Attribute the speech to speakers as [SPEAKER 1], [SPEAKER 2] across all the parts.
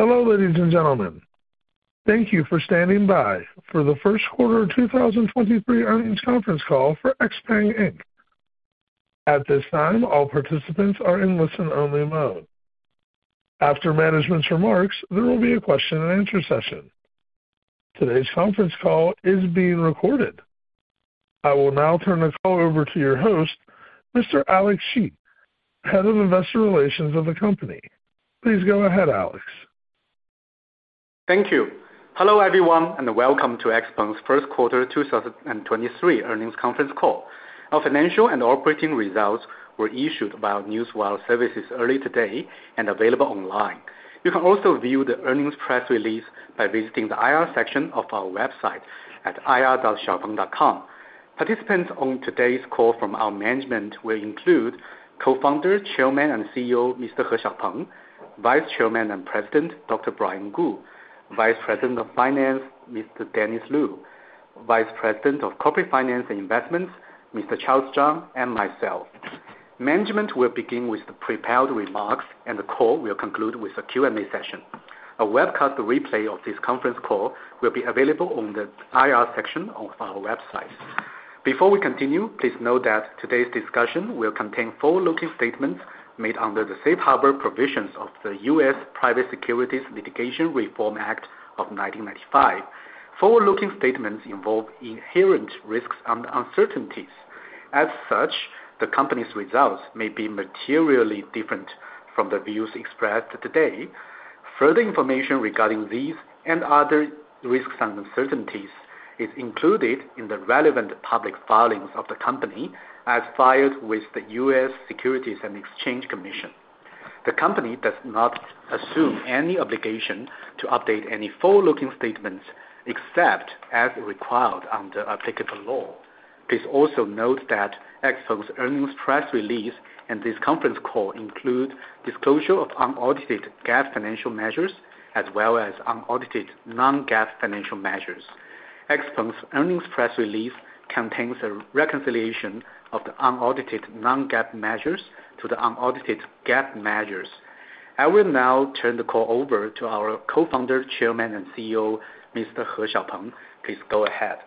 [SPEAKER 1] Hello, ladies and gentlemen. Thank you for standing by for the first quarter 2023 earnings conference call for XPeng Inc. At this time, all participants are in listen only mode. After management's remarks, there will be a question and answer session. Today's conference call is being recorded. I will now turn the call over to your host, Mr. Alex Shi, Head of Investor Relations of the company. Please go ahead, Alex.
[SPEAKER 2] Thank you. Hello, everyone, and welcome to XPeng's first quarter 2023 earnings conference call. Our financial and operating results were issued by our newswire services early today and available online. You can also view the earnings press release by visiting the IR section of our website at ir.xiaopeng.com. Participants on today's call from our management will include Co-founder, Chairman and CEO, Mr. He Xiaopeng, Vice Chairman and President, Dr. Brian Gu, Vice President of Finance, Mr. Dennis Lu, Vice President of Corporate Finance and Investments, Mr. Charles Zhang, and myself. Management will begin with the prepared remarks and the call will conclude with a Q&A session. A webcast replay of this conference call will be available on the IR section of our website. Before we continue, please note that today's discussion will contain forward-looking statements made under the Safe Harbor provisions of the U.S. Private Securities Litigation Reform Act of 1995. Forward-looking statements involve inherent risks and uncertainties. As such, the company's results may be materially different from the views expressed today. Further information regarding these and other risks and uncertainties is included in the relevant public filings of the company as filed with the U.S. Securities and Exchange Commission. The company does not assume any obligation to update any forward-looking statements, except as required under applicable law. Please also note that XPeng's earnings press release and this conference call include disclosure of unaudited GAAP financial measures as well as unaudited non-GAAP financial measures. XPeng's earnings press release contains a reconciliation of the unaudited non-GAAP measures to the unaudited GAAP measures. I will now turn the call over to our Co-founder, Chairman and CEO, Mr. He Xiaopeng. Please go ahead.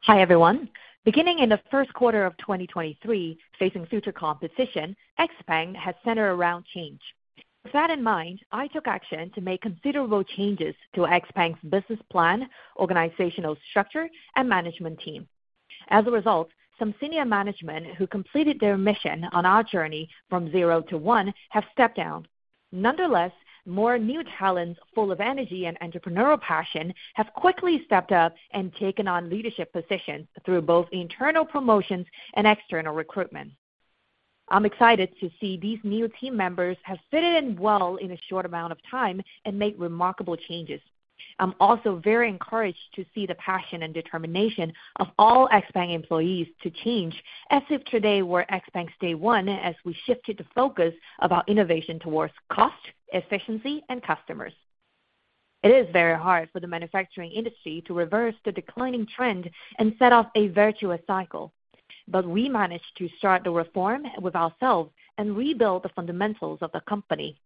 [SPEAKER 3] Hi, everyone. Beginning in the first quarter of 2023, facing future competition, XPeng has centered around change. With that in mind, I took action to make considerable changes to XPeng's business plan, organizational structure and management team. As a result, some senior management who completed their mission on our journey from zero to one have stepped down. Nonetheless, more new talents full of energy and entrepreneurial passion have quickly stepped up and taken on leadership positions through both internal promotions and external recruitment. I'm excited to see these new team members have fitted in well in a short amount of time and make remarkable changes. I'm also very encouraged to see the passion and determination of all XPeng employees to change, as if today were XPeng's day 1, as we shifted the focus of our innovation towards cost, efficiency and customers. It is very hard for the manufacturing industry to reverse the declining trend and set off a virtuous cycle. We managed to start the reform with ourselves and rebuild the fundamentals of the company.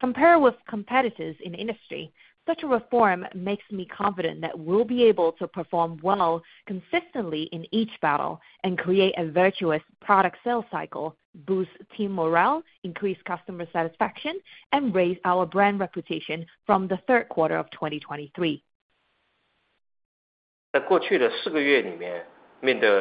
[SPEAKER 3] Compared with competitors in industry, such a reform makes me confident that we'll be able to perform well consistently in each battle and create a virtuous product sales cycle, boost team morale, increase customer satisfaction, and raise our brand reputation from the third quarter of 2023. In the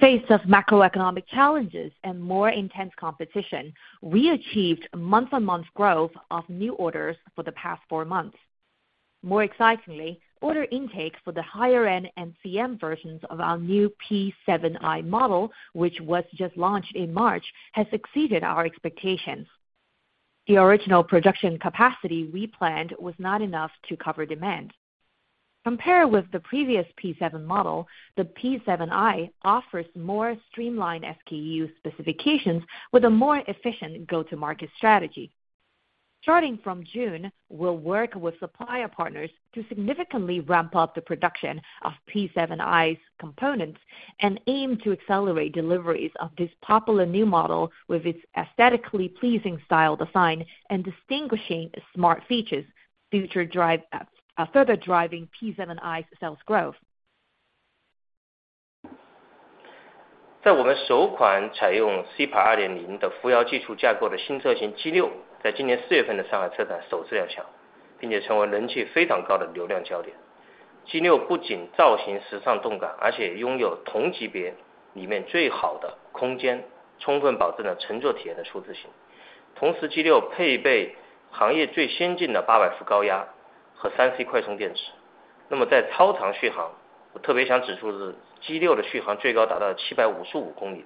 [SPEAKER 3] face of macroeconomic challenges and more intense competition, we achieved month-on-month growth of new orders for the past four months. More excitingly, order intake for the higher-end NCM versions of our new P7i model, which was just launched in March, has exceeded our expectations. The original production capacity we planned was not enough to cover demand. Compared with the previous P7 model, the P7i offers more streamlined SKU specifications with a more efficient go-to-market strategy. Starting from June, we'll work with supplier partners to significantly ramp up the production of P7i's components and aim to accelerate deliveries of this popular new model with its aesthetically pleasing style design and distinguishing smart features, further driving P7i's sales growth. 在我们的首款采用 SEPA 2.0 的扶摇技术架构的新车型 G6， 在今年四月份的上海车展首次亮 相， 并且成为人气非常高的流量焦点。G6 不仅造型时尚动 感， 而且拥有同级别里面最好的空 间， 充分保证了乘坐体验的舒适性。同时 ，G6 配备行业最先进的八百伏高压和 3C 快充电池。那么在超长续 航， 我特别想指出的是 G6 的续航最高达到七百五十五公 里，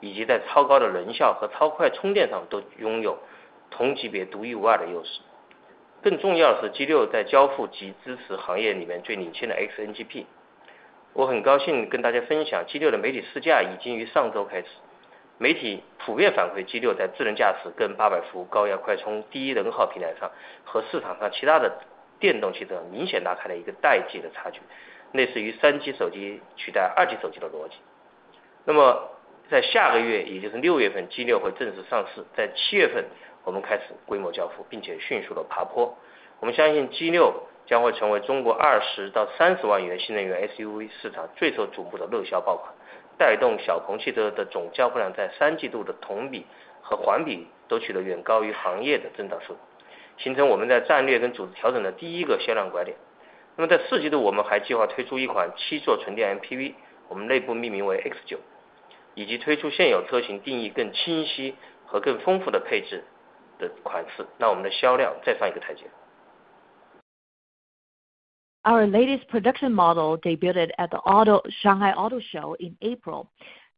[SPEAKER 3] 以及在超高的能效和超快充电上都拥有同级别独一无二的优势。更重要的是 ，G6 在交付及支持行业里面最领先的 XNGP。我 很高兴跟大家分享 G6 的媒体试驾已经于上周开 始， 媒体普遍反馈 G6 在智能驾驶跟八百伏高压快充、低能耗平台 上， 和市场上其他的电动汽车明显拉开了一个代际的差 距， 类似于 3G 手机取代 2G 手机的逻辑。那么在下个 月， 也就是六月 份， G6 会正式上 市， 在七月份我们开始规模交 付， 并且迅速地爬坡。我们相信 G6 将会成为中国二十到三十万元新能源 SUV 市场最受瞩目的热销爆 款， 带动小鹏汽车的总交付量在三季度的同比和环比都取得远高于行业的增长速 度， 形成我们在战略跟组织调整的第一个销量拐点。那么在四季 度， 我们还计划推出一款七座纯电 MPV， 我们内部命名为 X9， 以及推出现有车型定义更清晰和更丰富的配置的款 式， 让我们的销量再上一个台阶。
[SPEAKER 4] Our latest production model debuted at the Shanghai Auto Show in April.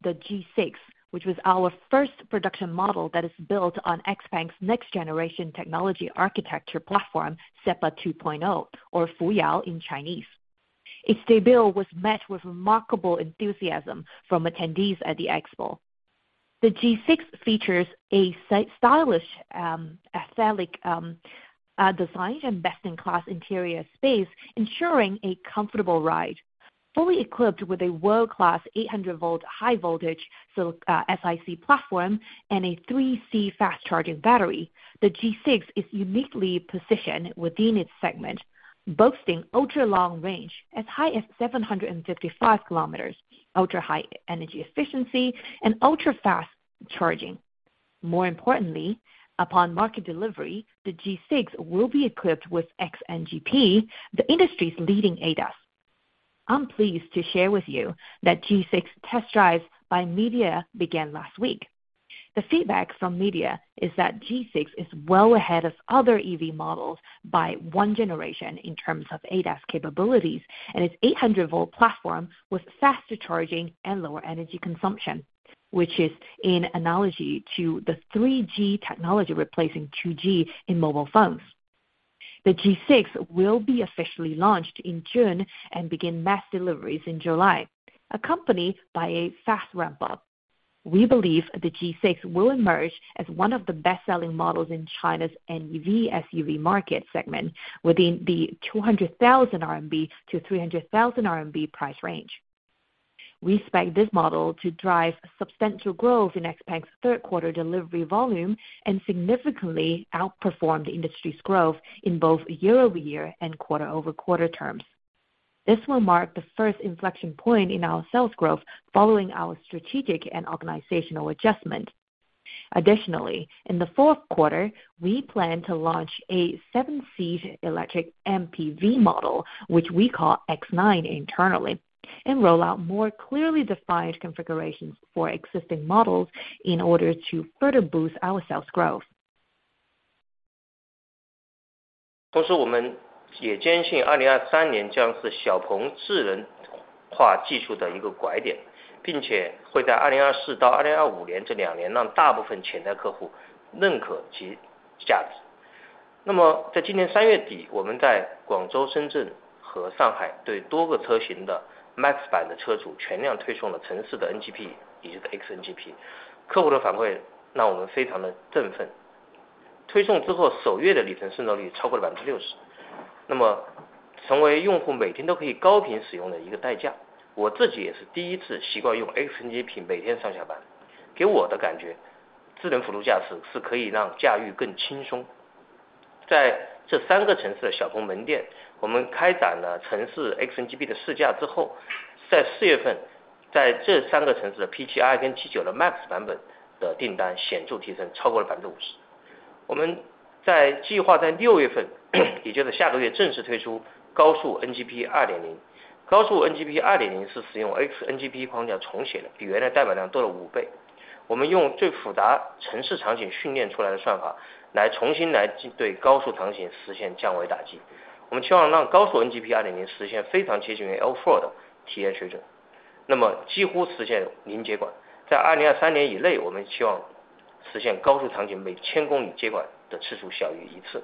[SPEAKER 4] The G6, which was our first production model that is built on XPeng's next generation technology architecture platform, SEPA 2.0 or 扶摇 in Chinese. Its debut was met with remarkable enthusiasm from attendees at the Expo. The G6 features a stylish aesthetic design and best-in-class interior space, ensuring a comfortable ride. Fully equipped with a world-class 800 volt high voltage SIC platform and a 3C fast-charging battery, the G6 is uniquely positioned within its segment, boasting ultra-long range as high as 755 km, ultra-high energy efficiency and ultra-fast charging. More importantly, upon market delivery, the G6 will be equipped with XNGP, the industry's leading ADAS. I'm pleased to share with you that G6 test drives by media began last week. The feedback from media is that G6 is well ahead of other EV models by one generation in terms of ADAS capabilities, and its 800 volt platform with faster charging and lower energy consumption, which is in analogy to the 3G technology replacing 2G in mobile phones. The G6 will be officially launched in June and begin mass deliveries in July, accompanied by a fast ramp up. We believe the G6 will emerge as one of the best-selling models in China's NEV SUV market segment within the 200,000-300,000 RMB price range. We expect this model to drive substantial growth in XPeng's third quarter delivery volume and significantly outperform the industry's growth in both year-over-year and quarter-over-quarter terms. This will mark the first inflection point in our sales growth following our strategic and organizational adjustment. Additionally, in the fourth quarter, we plan to launch a 7-seat electric MPV model, which we call X9 internally, and roll out more clearly defined configurations for existing models in order to further boost our sales growth.
[SPEAKER 3] 我们也坚信2023将是 XPeng 智能化技术的一个 拐点，并 且会在 2024-2025 这2年让大部分潜在客户认可其 价值. 在今年 3 月底，我 们在广州、深圳和上海对多个车型的 Max 版的车主全量推送了城市的 NGP，也 就是 XNGP. 客户的反馈让我们非常的 振奋. 推送 之后，首 月的里程渗透率超过了 60%，成为 用户每天都可以高频使用的一个 代价. 我自己也是第一次习惯用 XNGP 每天 上下班，给 我的感觉智能辅助驾驶是可以让驾驭更 轻松. 在这3个城市的 XPeng 门店，我 们开展了城市 XNGP 的试驾 之后，在 4 月份，在 这3个城市的 P7i 跟 G9 的 Max 版本的订单显著 提升，超过 了 50%. 我们在计划在6 月份， 也就是下个月正式推出 Highway NGP 2.0. Highway NGP 2.0 是使用 XNGP 框架重写 的，比 原来代码量多了5 倍. 我们用最复杂城市场景训练出来的算法来重新来对高速场景实现降维 打击. 我们希望让 Highway NGP 2.0 实现非常接近于 L4 的体验 水准，几乎 实现零 接管. 在 2-3 年 以内，我 们希望实现高速场景每 1,000 公里接管的次数小于 1 次.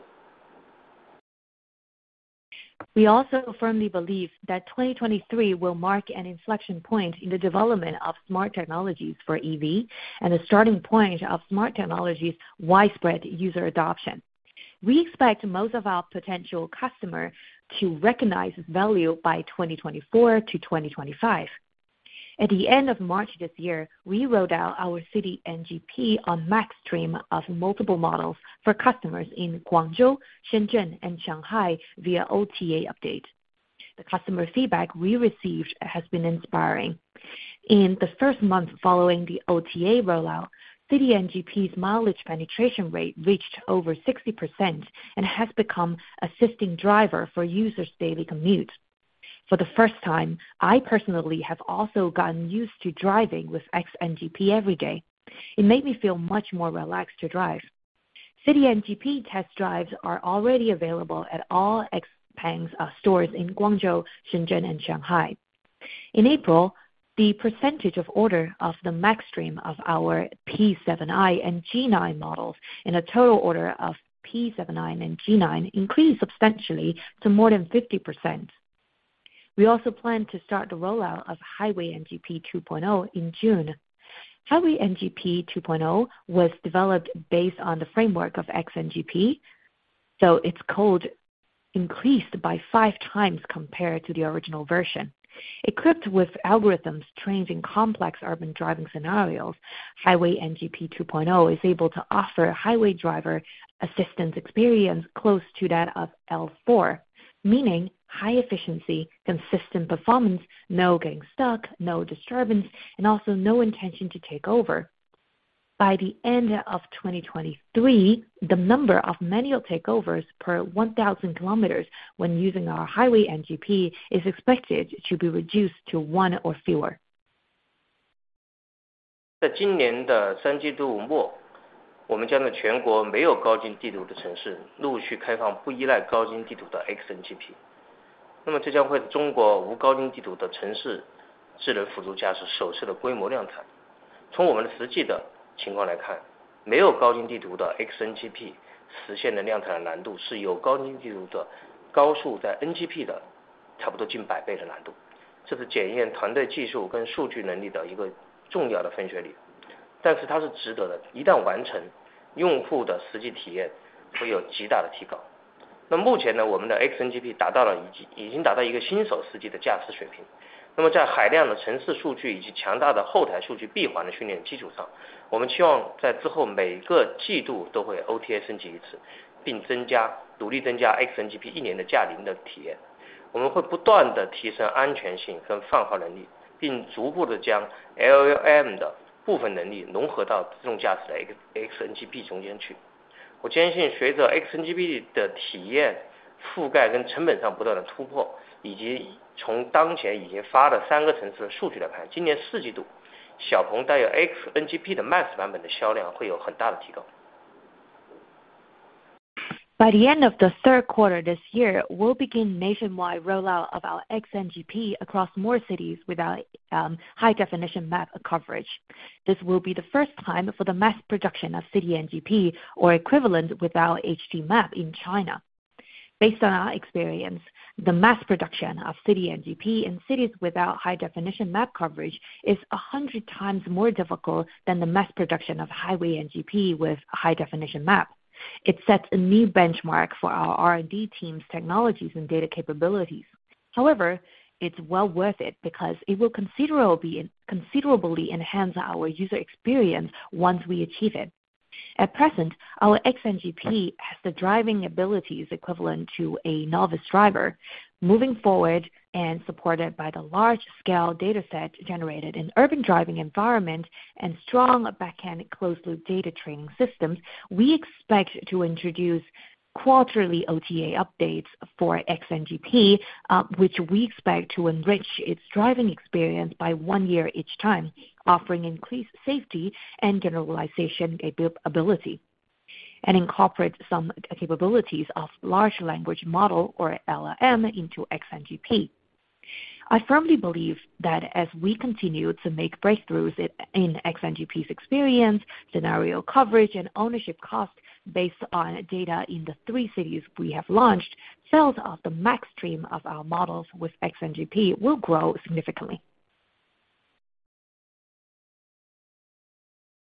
[SPEAKER 4] We also firmly believe that 2023 will mark an inflection point in the development of smart technologies for EV and the starting point of smart technologies widespread user adoption. We expect most of our potential customer to recognize value by 2024-2025. At the end of March this year, we rolled out our City NGP on Max stream of multiple models for customers in 广州、深圳 and Shanghai via OTA update. The customer feedback we received has been inspiring. In the first month following the OTA rollout, City NGP's mileage penetration rate reached over 60% and has become assisting driver for users daily commutes. For the first time, I personally have also gotten used to driving with XNGP every day. It made me feel much more relaxed to drive. City NGP test drives are already available at all XPeng's stores in 广州、深圳 and Shanghai. In April, the percentage of order of the Max stream of our P7i and G9 models in a total order of P7i and G9 increased substantially to more than 50%. We also plan to start the rollout of Highway NGP 2.0 in June. Its code increased by five times compared to the original version. Equipped with algorithms trained in complex urban driving scenarios, Highway NGP 2.0 is able to offer highway driver assistance experience close to that of L4, meaning high efficiency, consistent performance, no getting stuck, no disturbance, and also no intention to take over. By the end of 2023, the number of manual takeovers per 1,000 km when using our Highway NGP is expected to be reduced to one or fewer.
[SPEAKER 3] 在今年的三季度 末， 我们将全国没有 HD map 的城市陆续开 放， 不依赖 HD map 的 XNGP， 那么这将会是中国无 HD map 的城市 ADAS 首次的规模量产。从我们的实际的情况来 看， 没有 HD map 的 XNGP 实现的量产难度是有 HD map 的高速在 NGP 的差不多近100倍的难度。这是检验团队技术跟数据能力的1个重要的分水 岭， 它是值得的。一旦完 成， 用户的实际体验会有极大的提高。目前 呢， 我们的 XNGP 已经达到1个新手司机的驾驶水平。在海量的城市数据以及强大的后台数据闭环的训练基础 上， 我们希望在之后每个季度都会 OTA 升级1 次， 努力增加 XNGP 1年的驾龄的体验。我们会不断地提升安全性和泛化能 力， 并逐步地将 LLM 的部分能力融合到自动驾驶的 XNGP 中间去。我坚 信， 随着 XNGP 的体验、覆盖跟成本上不断的突 破， 以及从当前已经发的3个城市的数据来 看， 今年四季 度， XPeng 带有 XNGP 的 Max 版本的销量会有很大的提高。
[SPEAKER 4] By the end of the third quarter this year, we'll begin nationwide rollout of our XNGP across more cities without high definition map coverage. This will be the first time for the mass production of City NGP or equivalent without HD map in China. Based on our experience, the mass production of City NGP in cities without high definition map coverage is 100x more difficult than the mass production of Highway NGP with high definition maps. It sets a new benchmark for our R&D team's technologies and data capabilities. It's well worth it because it will considerably enhance our user experience once we achieve it. At present, our XNGP has the driving abilities equivalent to a novice driver. Moving forward and supported by the large scale data set generated in urban driving environment and strong backend closed loop data training systems, we expect to introduce quarterly OTA updates for XNGP, which we expect to enrich its driving experience by one year each time, offering increased safety and generalization capability, and incorporate some capabilities of large language model or LLM into XNGP. I firmly believe that as we continue to make breakthroughs in XNGP's experience, scenario coverage, and ownership cost based on data in the three cities we have launched, sales of the Max trim of our models with XNGP will grow significantly.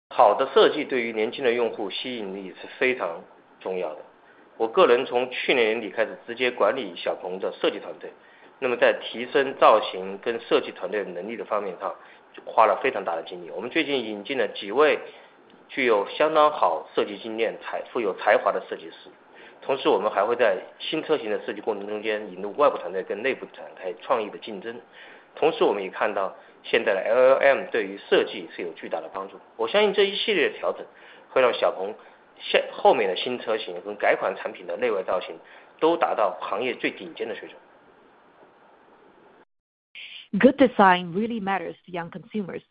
[SPEAKER 3] 好的设计对于年轻的用户吸引力是非常重要的。我个人从去年年底开始直接管理小鹏的设计团 队， 那么在提升造型跟设计团队的能力的方面上就花了非常大的精力。我们最近引进了几位具有相当好设计经验才——富有才华的设计师同时我们还会在新车型的设计过程中 间， 引入外部团队跟内部的团 队， 开启创意的竞争。同时我们也看 到， 现在的 LLM 对于设计是有巨大的帮助。我相信这一系列的调 整， 会让小鹏后面的新车型跟改款产品的内外造型都达到行业最顶尖的水准。
[SPEAKER 4] Good design really matters to young consumers.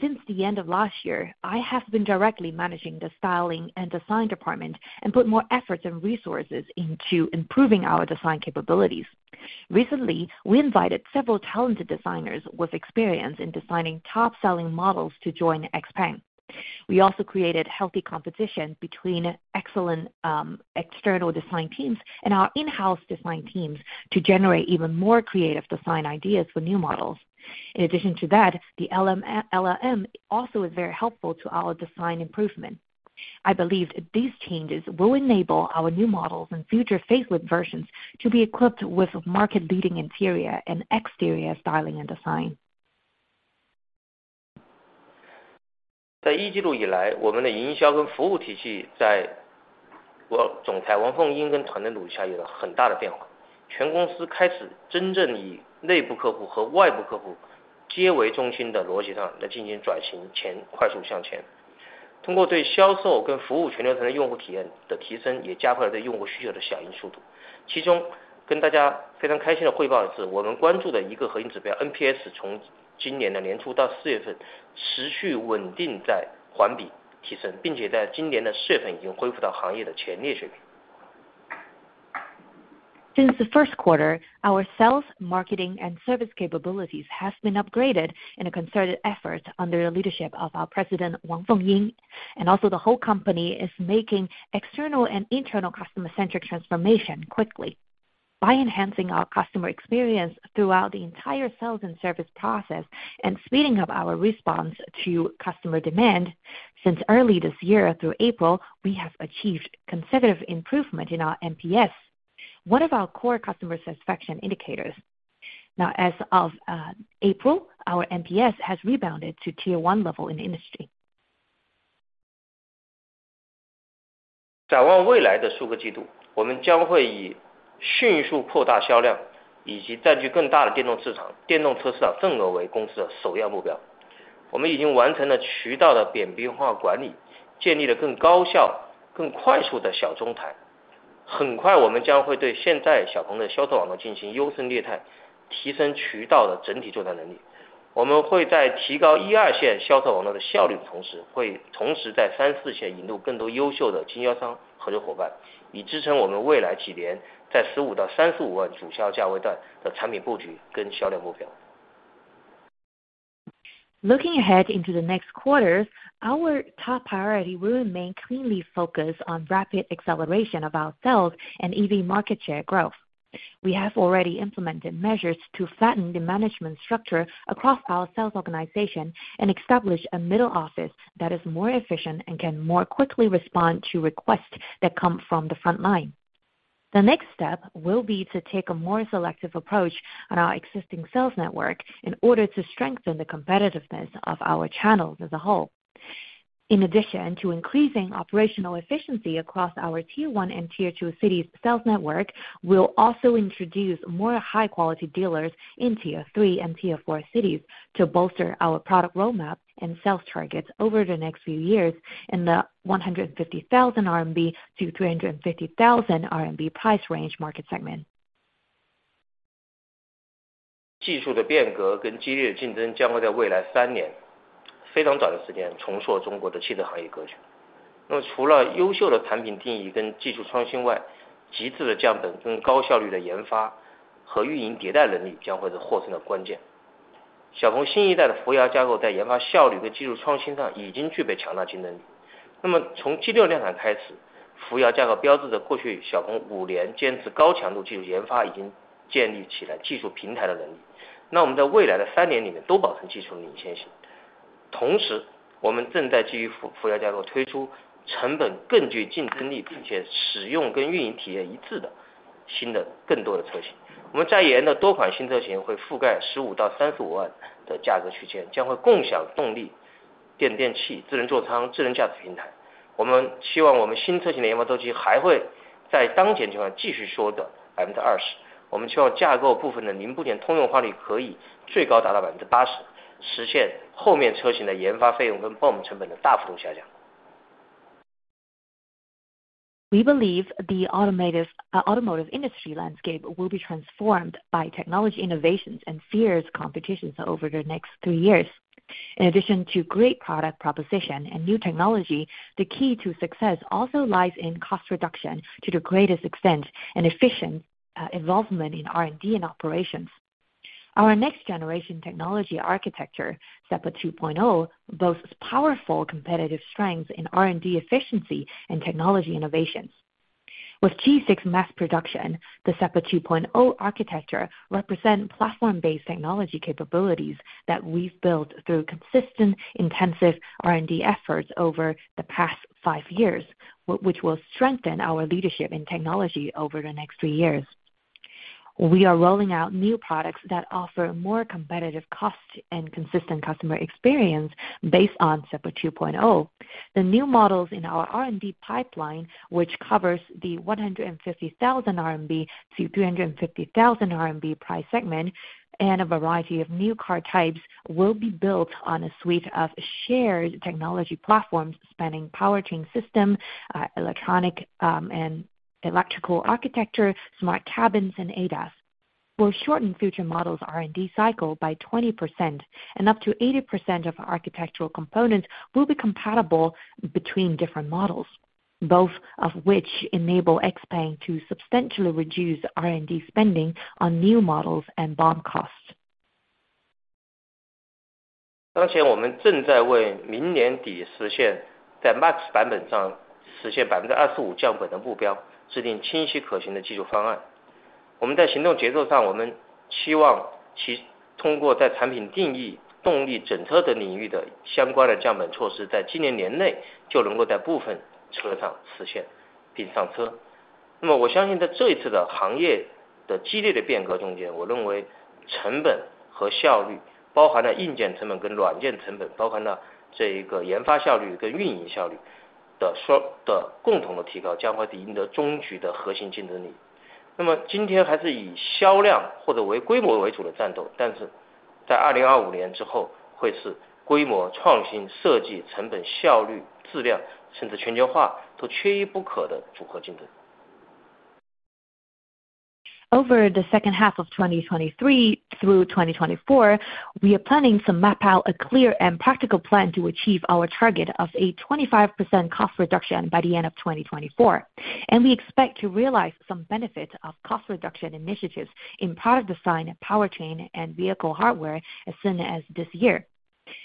[SPEAKER 4] Since the end of last year, I have been directly managing the styling and design department and put more efforts and resources into improving our design capabilities. Recently, we invited several talented designers with experience in designing top selling models to join XPeng. We also created healthy competition between excellent external design teams and our in-house design teams to generate even more creative design ideas for new models. In addition to that, the LLM also is very helpful to our design improvement. I believe these changes will enable our new models and future facelift versions to be equipped with market leading interior and exterior styling and design.
[SPEAKER 3] 在一季度以 来， 我们的营销和服务体系在我总裁王凤英跟团队努力下有了很大的变化。全公司开始真正以内部客户和外部客户皆为中心的逻辑上来进行转 型， 前--快速向前。通过对销售跟服务全流程的用户体验的提 升， 也加快了对用户需求的响应速度。其中跟大家非常开心地汇报的 是， 我们关注的一个核心指标 ，NPS 从今年的年初到四月份持续稳定在环比提 升， 并且在今年的四月份已经恢复到行业的前列水平。
[SPEAKER 4] Since the first quarter, our sales, marketing and service capabilities has been upgraded in a concerted effort under the leadership of our president Wang Fengying and also the whole company is making external and internal customer-centric transformation quickly. By enhancing our customer experience throughout the entire sales and service process and speeding up our response to customer demand. Since early this year through April, we have achieved conservative improvement in our NPS. What of our core customer satisfaction indicators? Now, as of April, our NPS has rebounded to tier 1 level in industry.
[SPEAKER 3] 展望未来的数个季 度， 我们将会以迅速扩大销 量， 以及占据更大的电动市 场， 电动车市场份额为公司的首要目标。我们已经完成了渠道的扁平化管 理， 建立了更高效、更快速的小中台。很快我们将会对现在小鹏的销售网络进行优胜劣 汰， 提升渠道的整体作战能力。我们会在提高一二线销售网络的效率的同 时， 会同时在三四线引入更多优秀的经销商合作伙 伴， 以支撑我们未来几年在 RMB 150,000-RMB 350,000 主销价位段的产品布局跟销量目标。
[SPEAKER 4] Looking ahead into the next quarters, our top priority will remain cleanly focused on rapid acceleration of our sales and EV market share growth. We have already implemented measures to flatten the management structure across our sales organization and establish a middle office that is more efficient and can more quickly respond to requests that come from the front line. The next step will be to take a more selective approach on our existing sales network in order to strengthen the competitiveness of our channels as a whole. In addition to increasing operational efficiency across our tier 1 and tier 2 cities sales network, we'll also introduce more high quality dealers in tier 3 and tier 4 cities to bolster our product roadmap and sales targets over the next few years. In the 150,000-350,000 RMB price range market segment.
[SPEAKER 3] 技术的变革跟激烈的竞 争， 将在未来3年非常短的时间重塑中国的汽车行业格局。除了优秀的产品定义跟技术创新 外， 极致的降本增效、高效率的研发和运营迭代能力将会是获胜的关键。XPeng 新一代的扶摇架构在研发效率和技术创新上已经具备强大竞争力。从 G6 量产开 始， 扶摇架构标志着过去 XPeng 5年坚持高强度技术研 发， 已经建立起来技术平台的能 力， 让我们在未来的3年里面都保持技术的领先性。同 时， 我们正在基于扶摇架构推出成本更具竞争 力， 并且使用跟运营体验一致的新的更多的车型。我们在研的多款新车型会覆盖 RMB 150,000-RMB 350,000 的价格区 间， 将会共享动力、电器、智能座舱、智能驾驶平台。我们希望我们新车型的研发周期还会在当前基础上继续缩短 20%。我们希望架构部分的零部件通用化率可以最高达到 80%， 实现后面车型的研发费用跟 BOM 成本的大幅度下降。
[SPEAKER 4] We believe the automotive industry landscape will be transformed by technology innovations and fierce competitions over the next three years. In addition to great product proposition and new technology, the key to success also lies in cost reduction to the greatest extent and efficient involvement in R&D and operations. Our next generation technology architecture, SEPA 2.0, boasts powerful competitive strengths in R&D efficiency and technology innovations. With G6 mass production, the SEPA 2.0 architecture represent platform based technology capabilities that we've built through consistent, intensive R&D efforts over the past five years, which will strengthen our leadership in technology over the next three years. We are rolling out new products that offer more competitive cost and consistent customer experience based on SEPA 2.0. The new models in our R&D pipeline, which covers the 150,000-350,000 RMB price segment, and a variety of new car types will be built on a suite of shared technology platforms spanning powertrain system, electronic, and electrical architecture, smart cabins, and ADAS. We'll shorten future models R&D cycle by 20% and up to 80% of architectural components will be compatible between different models, both of which enable XPeng to substantially reduce R&D spending on new models and BOM costs. Over the second half of 2023 through 2024, we are planning to map out a clear and practical plan to achieve our target of a 25% cost reduction by the end of 2024. We expect to realize some benefit of cost reduction initiatives in product design, powertrain, and vehicle hardware as soon as this year.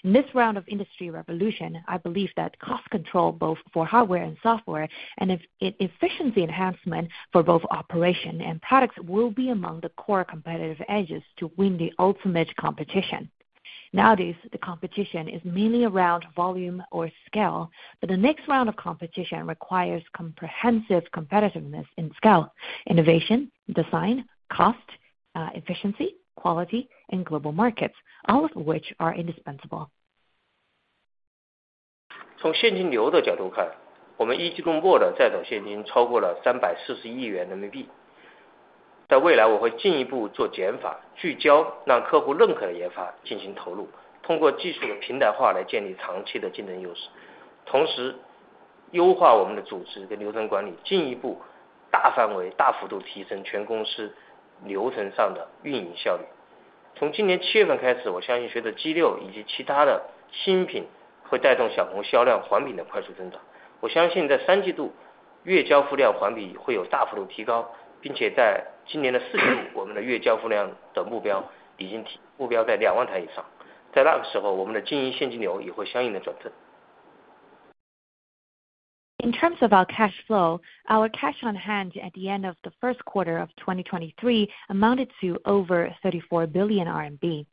[SPEAKER 4] In this round of industry revolution, I believe that cost control both for hardware and software and efficiency enhancement for both operation and products will be among the core competitive edges to win the ultimate competition. Nowadays, the competition is mainly around volume or scale, but the next round of competition requires comprehensive competitiveness in scale, innovation, design, cost, efficiency, quality, and global markets, all of which are indispensable. In terms of our cash flow, our cash on hand at the end of the first quarter of 2023 amounted to over 34 billion RMB.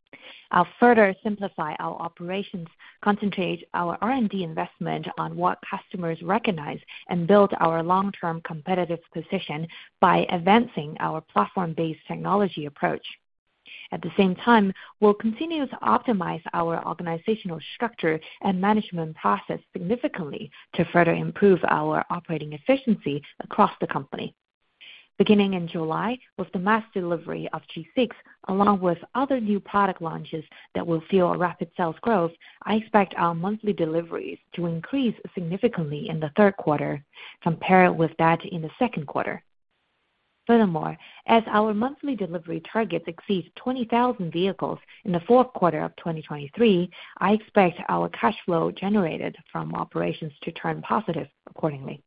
[SPEAKER 4] I'll further simplify our operations, concentrate our R&D investment on what customers recognize, and build our long-term competitive position by advancing our platform-based technology approach. At the same time, we'll continue to optimize our organizational structure and management process significantly to further improve our operating efficiency across the company. Beginning in July with the mass delivery of G6, along with other new product launches that will fuel a rapid sales growth, I expect our monthly deliveries to increase significantly in the third quarter compared with that in the second quarter. Furthermore, as our monthly delivery targets exceed 20,000 vehicles in the fourth quarter of 2023, I expect our cash flow generated from operations to turn positive accordingly.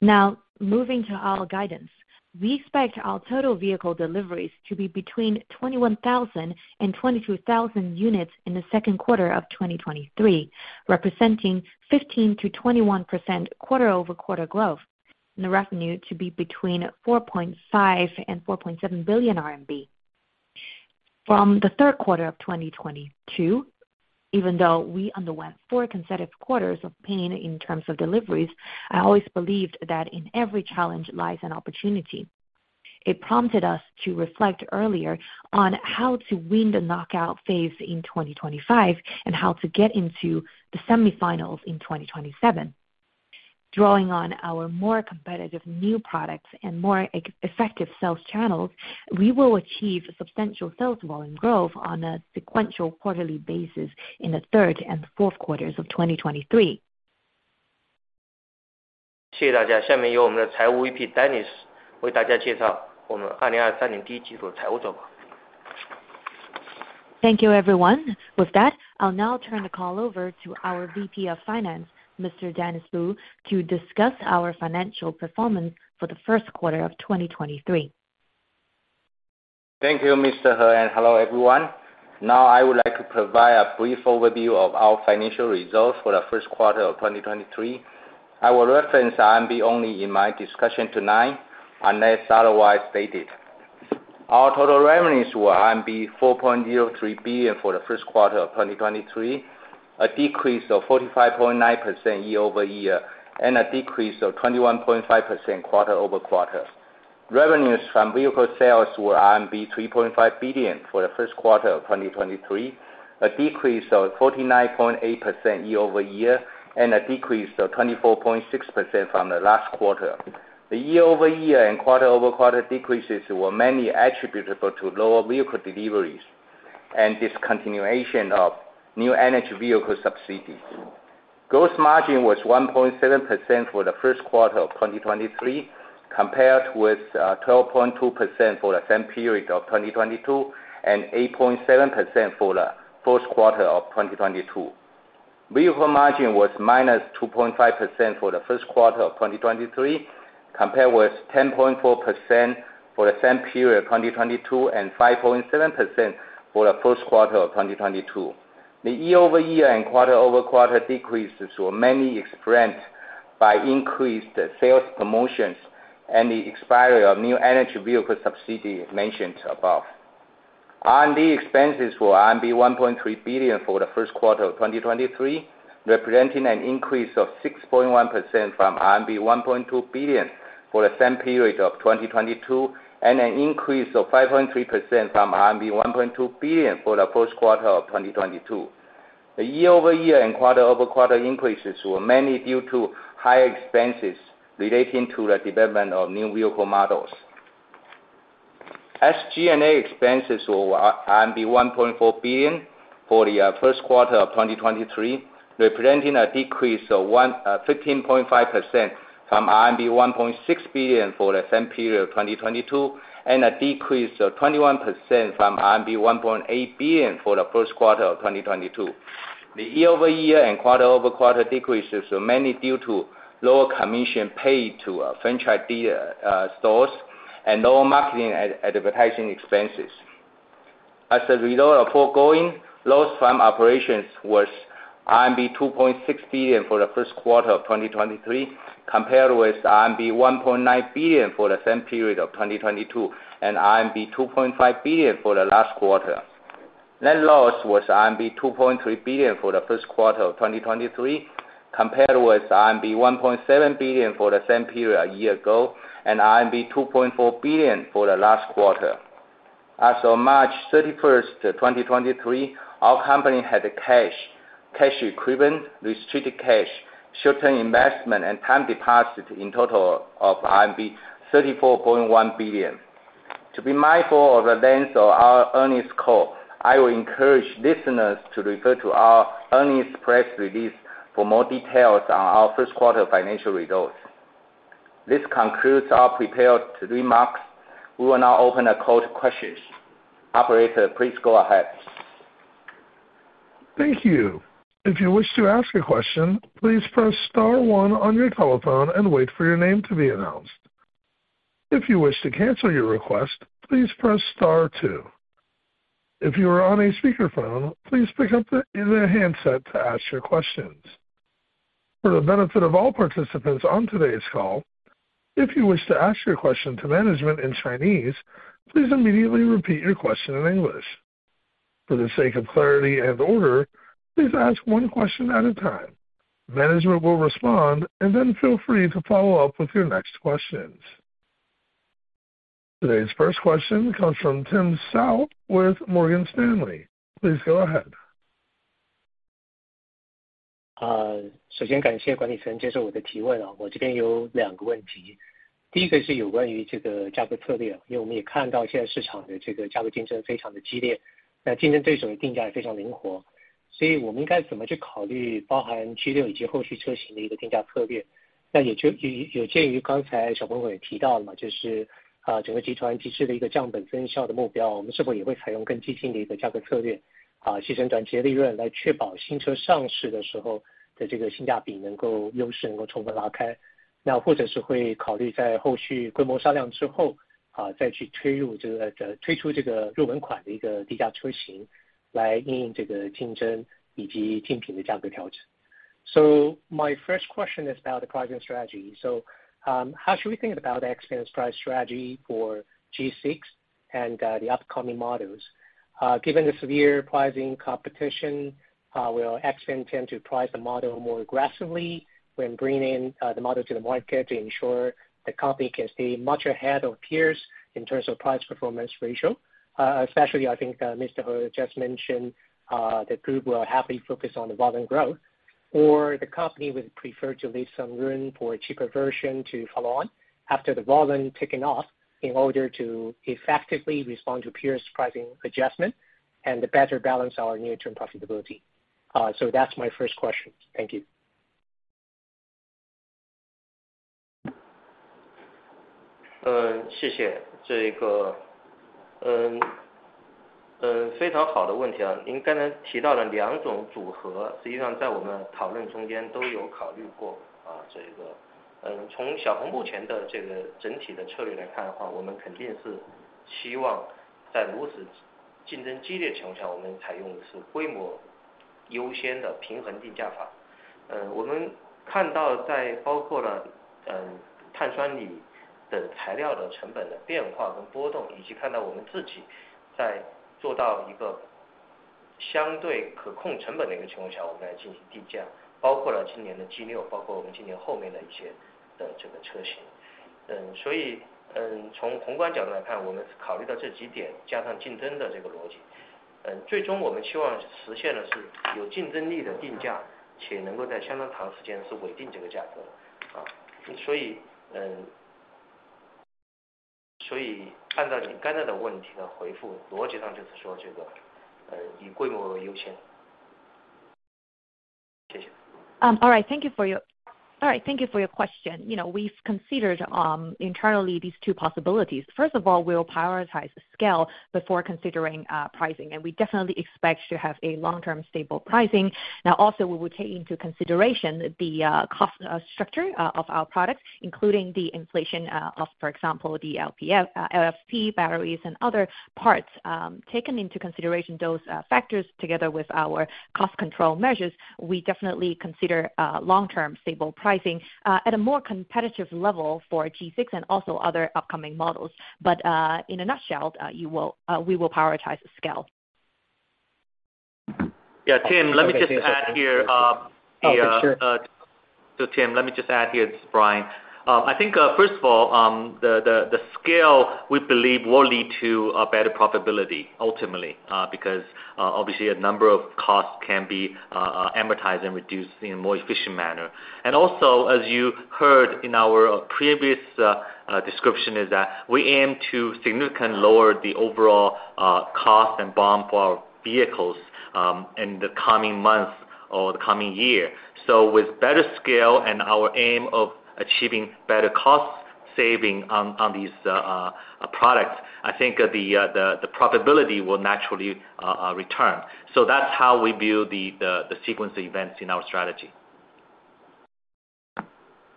[SPEAKER 4] Now, moving to our guidance. We expect our total vehicle deliveries to be between 21,000 and 22,000 units in the second quarter of 2023, representing 15%-21% quarter-over-quarter growth, and the revenue to be between 4.5 billion and 4.7 billion RMB. From the 3rd quarter of 2022, even though we underwent 4 consecutive quarters of pain in terms of deliveries, I always believed that in every challenge lies an opportunity. It prompted us to reflect earlier on how to win the knockout phase in 2025 and how to get into the semifinals in 2027. Drawing on our more competitive new products and more effective sales channels, we will achieve substantial sales volume growth on a sequential quarterly basis in the 3rd and 4th quarters of 2023.
[SPEAKER 3] 谢谢大 家，下 面由我们的财务 VP Dennis 为大家介绍我们2023年第一季度的财务状况。
[SPEAKER 4] Thank you everyone. With that, I'll now turn the call over to our VP of finance, Mr. Dennis Lu, to discuss our financial performance for the first quarter of 2023.
[SPEAKER 5] Thank you, Mr. He. Hello everyone. Now I would like to provide a brief overview of our financial results for the first quarter of 2023. I will reference RMB only in my discussion tonight, unless otherwise stated. Our total revenues were 4.03 billion for the first quarter of 2023, a decrease of 45.9% year-over-year, and a decrease of 21.5% quarter-over-quarter. Revenues from vehicle sales were RMB 3.5 billion for the first quarter of 2023, a decrease of 49.8% year-over-year, and a decrease of 24.6% from the last quarter. The year-over-year and quarter-over-quarter decreases were mainly attributable to lower vehicle deliveries and discontinuation of new energy vehicle subsidies. Gross margin was 1.7% for the first quarter of 2023 compared with 12.2% for the same period of 2022 and 8.7% for the fourth quarter of 2022. Vehicle margin was -2.5% for the first quarter of 2023, compared with 10.4% for the same period 2022, and 5.7% for the first quarter of 2022. The year-over-year and quarter-over-quarter decreases were mainly expressed by increased sales promotions and the expiry of new energy vehicle subsidy mentioned above. R&D expenses were RMB 1.3 billion for the first quarter of 2023, representing an increase of 6.1% from RMB 1.2 billion for the same period of 2022, and an increase of 5.3% from RMB 1.2 billion for the first quarter of 2022. The year-over-year and quarter-over-quarter increases were mainly due to higher expenses relating to the development of new vehicle models. SG&A expenses were 1.4 billion for the first quarter of 2023, representing a decrease of 15.5% from RMB 1.6 billion for the same period 2022, and a decrease of 21% from RMB 1.8 billion for the first quarter of 2022. The year-over-year and quarter-over-quarter decreases were mainly due to lower commission paid to franchise stores and lower marketing advertising expenses. As a result of foregoing, loss from operations was RMB 2.6 billion for the first quarter of 2023, compared with RMB 1.9 billion for the same period of 2022, and RMB 2.5 billion for the last quarter. Net loss was RMB 2.3 billion for the first quarter of 2023, compared with RMB 1.7 billion for the same period a year ago, and RMB 2.4 billion for the last quarter. As of March 31st, 2023, our company had a cash equivalent, restricted cash, short-term investment, and time deposits in total of RMB 34.1 billion. To be mindful of the length of our earnings call,
[SPEAKER 1] Thank you. If you wish to ask a question, please press star one on your telephone and wait for your name to be announced. If you wish to cancel your request, please press star two. If you are on a speakerphone, please pick up the handset to ask your questions. For the benefit of all participants on today's call, if you wish to ask your question to management in Chinese, please immediately repeat your question in English. For the sake of clarity and order, please ask one question at a time. Management will respond, and then feel free to follow up with your next questions. Today's first question comes from Tim Hsiao with Morgan Stanley. Please go ahead.
[SPEAKER 6] 首先感谢管理层接受我的提问。我这边有2个问 题， 第1个是有关于这个价格策略。我们也看到现在市场的这个价格竞争非常的激 烈， 竞争对手的定价也非常灵 活， 我们应该怎么去考虑包含 G6 以及后续车型的1个定价策略。也鉴于刚才小鹏也提到 了， 整个集团提出了1个降本增效的目 标， 我们是否也会采用更激进的1个价格策 略， 牺牲短期的利润来确保新车上市的时候的这个性价比能够优势能够充分拉 开， 或者是会考虑在后续规模销量之 后， 再去推出这个入门款的1个低价车型，来应对这个竞争以及竞品的价格调整。My first question is about the pricing strategy. How should we think about XPeng's price strategy for G6 and the upcoming models? Given the severe pricing competition, will XPeng tend to price the model more aggressively when bringing the model to the market to ensure the company can stay much ahead of peers in terms of price performance ratio? Especially I think, Mr. He just mentioned, the group will happily focus on the volume growth, or the company would prefer to leave some room for a cheaper version to follow on after the volume taken off in order to effectively respond to peer's pricing adjustment and to better balance our near-term profitability. That's my first question. Thank you.
[SPEAKER 7] 谢谢这 个.
[SPEAKER 3] 嗯， 呃， 非常好的问题 啊， 您刚才提到了两种组 合， 实际上在我们讨论中间都有考虑 过， 啊， 这个。嗯， 从小鹏目前的这个整体的策略来看的 话， 我们肯定是希望在如此竞争激烈的情况 下， 我们采用的是规模优先的平衡定价法。呃， 我们看到在包括 了， 呃， 碳酸锂的材料的成本的变化跟波 动， 以及看到我们自己在做到一个相对可控成本的一个情况 下， 我们来进行定 价， 包括了今年的 G6， 包括我们今年后面的一 些， 呃， 这个车型。嗯， 所 以， 呃， 从宏观角度来 看， 我们考虑到这几 点， 加上竞争的这个逻 辑， 呃， 最终我们期望实现的是有竞争力的定 价， 且能够在相当长时间是稳定这个价格的。啊，所 以， 嗯... 按照你刚才的问题的回 复, 逻辑上就是说这 个, 以规模优 先. 谢 谢.
[SPEAKER 4] All right, thank you for your question. You know, we've considered internally these two possibilities. First of all, we'll prioritize the scale before considering pricing, and we definitely expect to have a long-term stable pricing. Now also we will take into consideration the cost structure of our products, including the inflation of, for example, the LFP batteries and other parts. Taken into consideration those factors together with our cost control measures, we definitely consider long-term stable pricing at a more competitive level for G6 and also other upcoming models. In a nutshell, we will prioritize scale.
[SPEAKER 8] Yeah, Tim, let me just add here.
[SPEAKER 6] Oh, sure.
[SPEAKER 8] Tim, let me just add here, this is Brian. I think, first of all, the scale we believe will lead to a better profitability ultimately. Because obviously a number of costs can be amortized and reduced in a more efficient manner. Also, as you heard in our previous description is that we aim to significantly lower the overall cost and BOM for our vehicles, in the coming months or the coming year. With better scale and our aim of achieving better cost saving on these products, I think the profitability will naturally return. That's how we view the sequence of events in our strategy.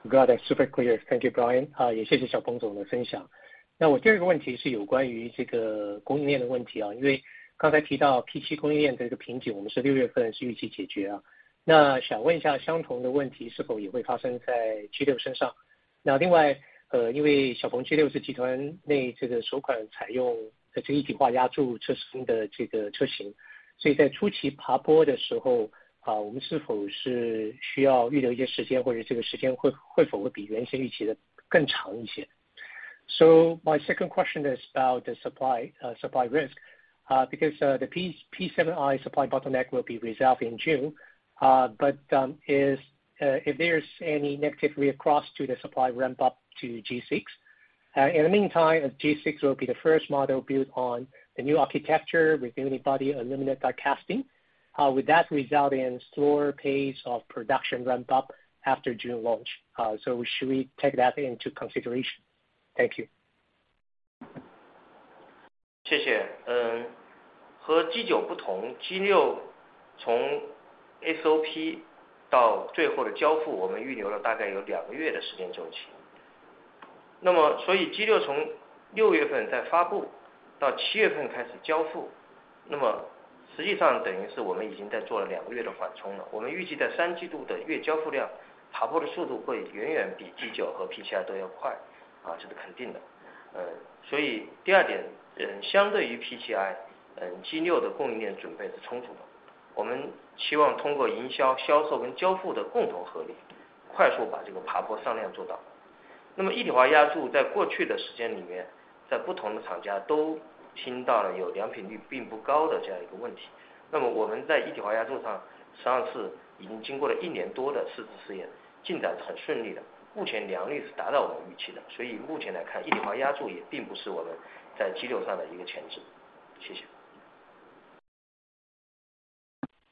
[SPEAKER 6] Got it. Super clear. Thank you, Brian. 也谢谢 XPeng 总的分享。那我第二个问题是有关于这个供应链的 问题， 因为刚才提到 P7 供应链的一个 瓶颈， 我们是六月份是预期 解决， 那想问一下相同的问题是否也会发生在 G6 身上？ 那 另外， 因为 XPeng G6 是集团内这个首款采用这一体化压铸车身的这个 车型， 所以在初期爬坡的 时候， 我们是否是需要预留一些 时间， 或者这个时间会否会比原先预期的更长 一些？ My second question is about the supply risk, because the P7i supply bottleneck will be resolved in June. But is... If there's any negativity across to the supply ramp up to G6? In the meantime, if G6 will be the first model built on the new architecture with integrated aluminum die-casting, would that result in slower pace of production ramp up after June launch? Should we take that into consideration? Thank you.
[SPEAKER 3] 谢谢。和 G9 不 同， G6 从 SOP 到最后的交 付， 我们预留了大概有2个月的时间周期。G6 从六月份在发 布， 到七月份开始交 付， 那么实际上等于是我们已经在做了2个月的缓冲了。我们预计在三季度的月交付 量， 爬坡的速度会远远比 G9 和 P7i 都要 快， 这是肯定的。第2 点， 相对于 P7i， G6 的供应链准备是充足的。我们期望通过营销、销售跟交付的共同合 力， 快速把这个爬坡上量做到。一体化压铸在过去的时间里 面， 在不同的厂家都听到了有良品率并不高的这样一个问 题， 那么我们在一体化压铸 上， 实际上是已经经过了 1+ 年的试制试 验， 进展是很顺利 的， 目前良率是达到我们预期的。目前来 看， 一体化压铸也并不是我们在 G6 上的一个潜质。谢谢。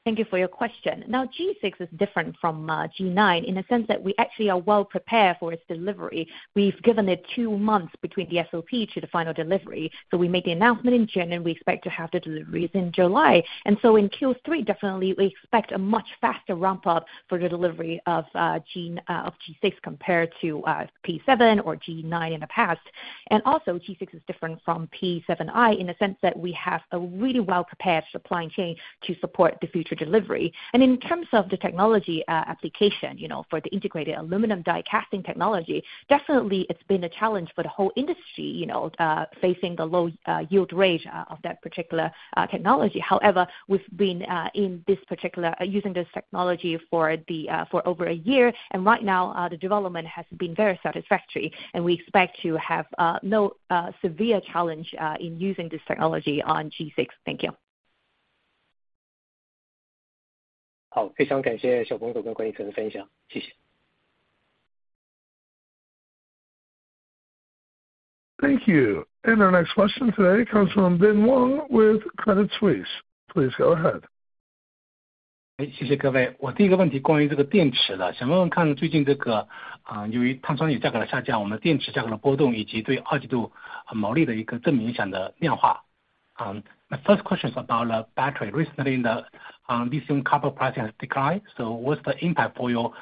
[SPEAKER 4] Thank you for your question. G6 is different from G9 in a sense that we actually are well prepared for its delivery. We've given it 2 months between the SOP to the final delivery, we make the announcement in June, we expect to have the deliveries in July. In Q3, definitely we expect a much faster ramp up for the delivery of G6 compared to P7 or G9 in the past. G6 is different from P7i in a sense that we have a really well prepared supply chain to support the future delivery. In terms of the technology application, you know, for the integrated aluminum die-casting technology, definitely it's been a challenge for the whole industry, you know, facing the low yield rate of that particular technology. However, we've been in this particular... using this technology for the for over a year. Right now, the development has been very satisfactory. We expect to have no severe challenge in using this technology on G6. Thank you.
[SPEAKER 6] 好， 非常感谢小鹏总和管理层的分享。谢谢。
[SPEAKER 1] Thank you. Our next question today comes from Bin Wang with Credit Suisse. Please go ahead.
[SPEAKER 9] 谢谢各位。我第一个问题关于这个电池 的， 想问问看最近这 个， 由于碳酸锂价格的下 降， 我们的电池价格的波 动， 以及对二季度毛利的一个正影响的量化。My first question is about the battery. Recently the lithium carbonate price has declined. What's the impact for your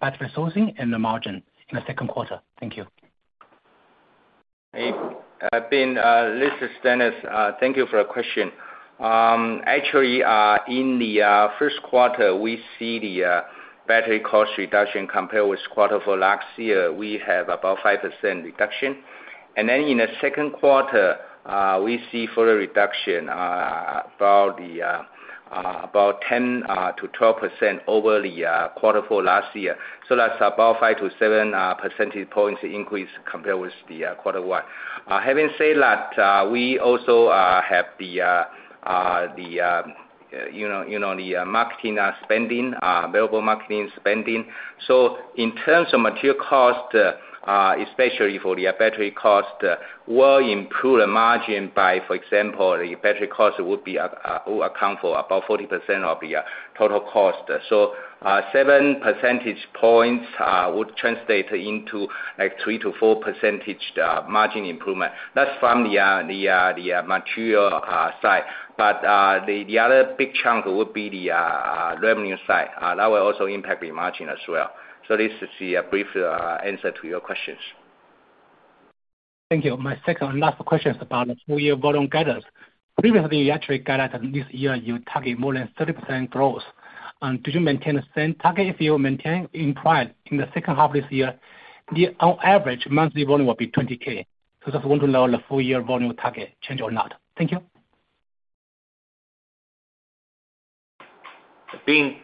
[SPEAKER 9] battery sourcing and the margin in the second quarter? Thank you.
[SPEAKER 5] This is Dennis Lu. Thank you for your question. Actually, in the first quarter, we see the battery cost reduction compared with quarter for last year, we have about 5% reduction. In the second quarter, we see further reduction, about 10%-12% over the quarter for last year. That's about 5-7 percentage points increase compared with the quarter one. Having said that, we also have the, you know, the marketing spending, available marketing spending. In terms of material cost, especially for the battery cost, will improve the margin by, for example, the battery cost would account for about 40% of the total cost. 7 percentage points would translate into like 3%-4% margin improvement. That's from the material side. The other big chunk would be the revenue side that will also impact the margin as well. This is the brief answer to your questions.
[SPEAKER 9] Thank you. My second and last question is about full year volume guidance. Previously, you actually guided this year, you target more than 30% growth. Did you maintain the same target. If you maintain implied in the second half this year, the on average monthly volume will be 20,000. Just want to know the full year volume target change or not. Thank you.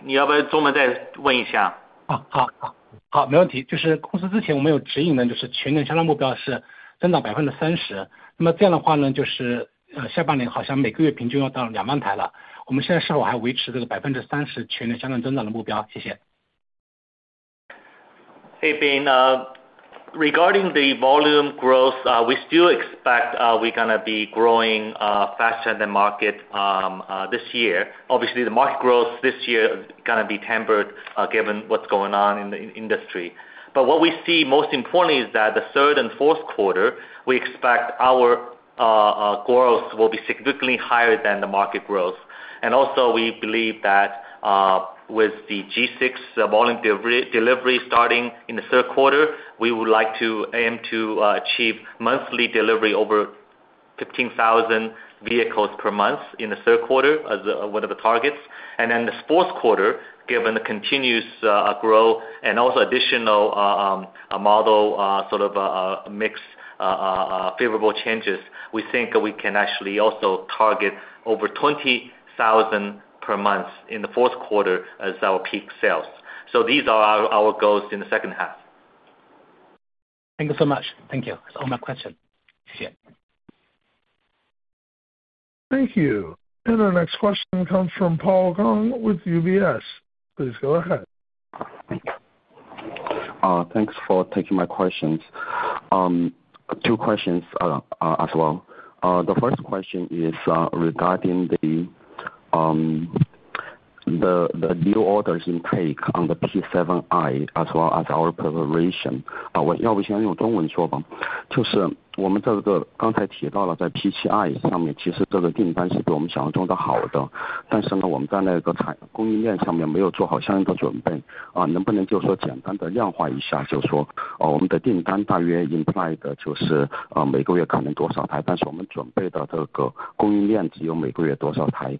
[SPEAKER 5] 你要不要中文再问一 下？
[SPEAKER 9] 哦， 好， 好， 好， 没问题。就是公司之前我们有指引 的， 就是全年销量目标是增长百分之三 十， 那么这样的话 呢， 就是下半年好像每个月平均要到两万台 了， 我们现在是否还维持这个百分之三十全年销量增长的目 标？ 谢谢。
[SPEAKER 5] Hey, Bin, regarding the volume growth, we still expect we're gonna be growing faster than market this year. Obviously, the market growth this year is gonna be tempered given what's going on in the industry. What we see most importantly is that the third and fourth quarter, we expect our growth will be significantly higher than the market growth. We believe that with the G6 volume delivery starting in the third quarter, we would like to aim to achieve monthly delivery over 15,000 vehicles per month in the third quarter as one of the targets. The fourth quarter, given the continuous grow and also additional model, sort of mix favorable changes, we think we can actually also target over 20,000 per month in the fourth quarter as our peak sales. These are our goals in the second half.
[SPEAKER 9] Thank you so much. Thank you. That's all my question. See you.
[SPEAKER 1] Thank you. Our next question comes from Paul Gong with UBS. Please go ahead.
[SPEAKER 10] Thanks for taking my questions. Two questions as well. The first question is regarding the new orders intake on the P7i as well as our preparation. 要不先用中文说吧。就是我们这个刚才提到了在 P7i 上 面， 其实这个订单是比我们想象中的好 的， 但是 呢， 我们在那个产供应链上面没有做好相应的准 备， 能不能就说简单地量化一 下， 就是说我们的订单大约 imply 的就是每个月可能多少 台， 但是我们准备的这个供应链只有每个月可能多少台。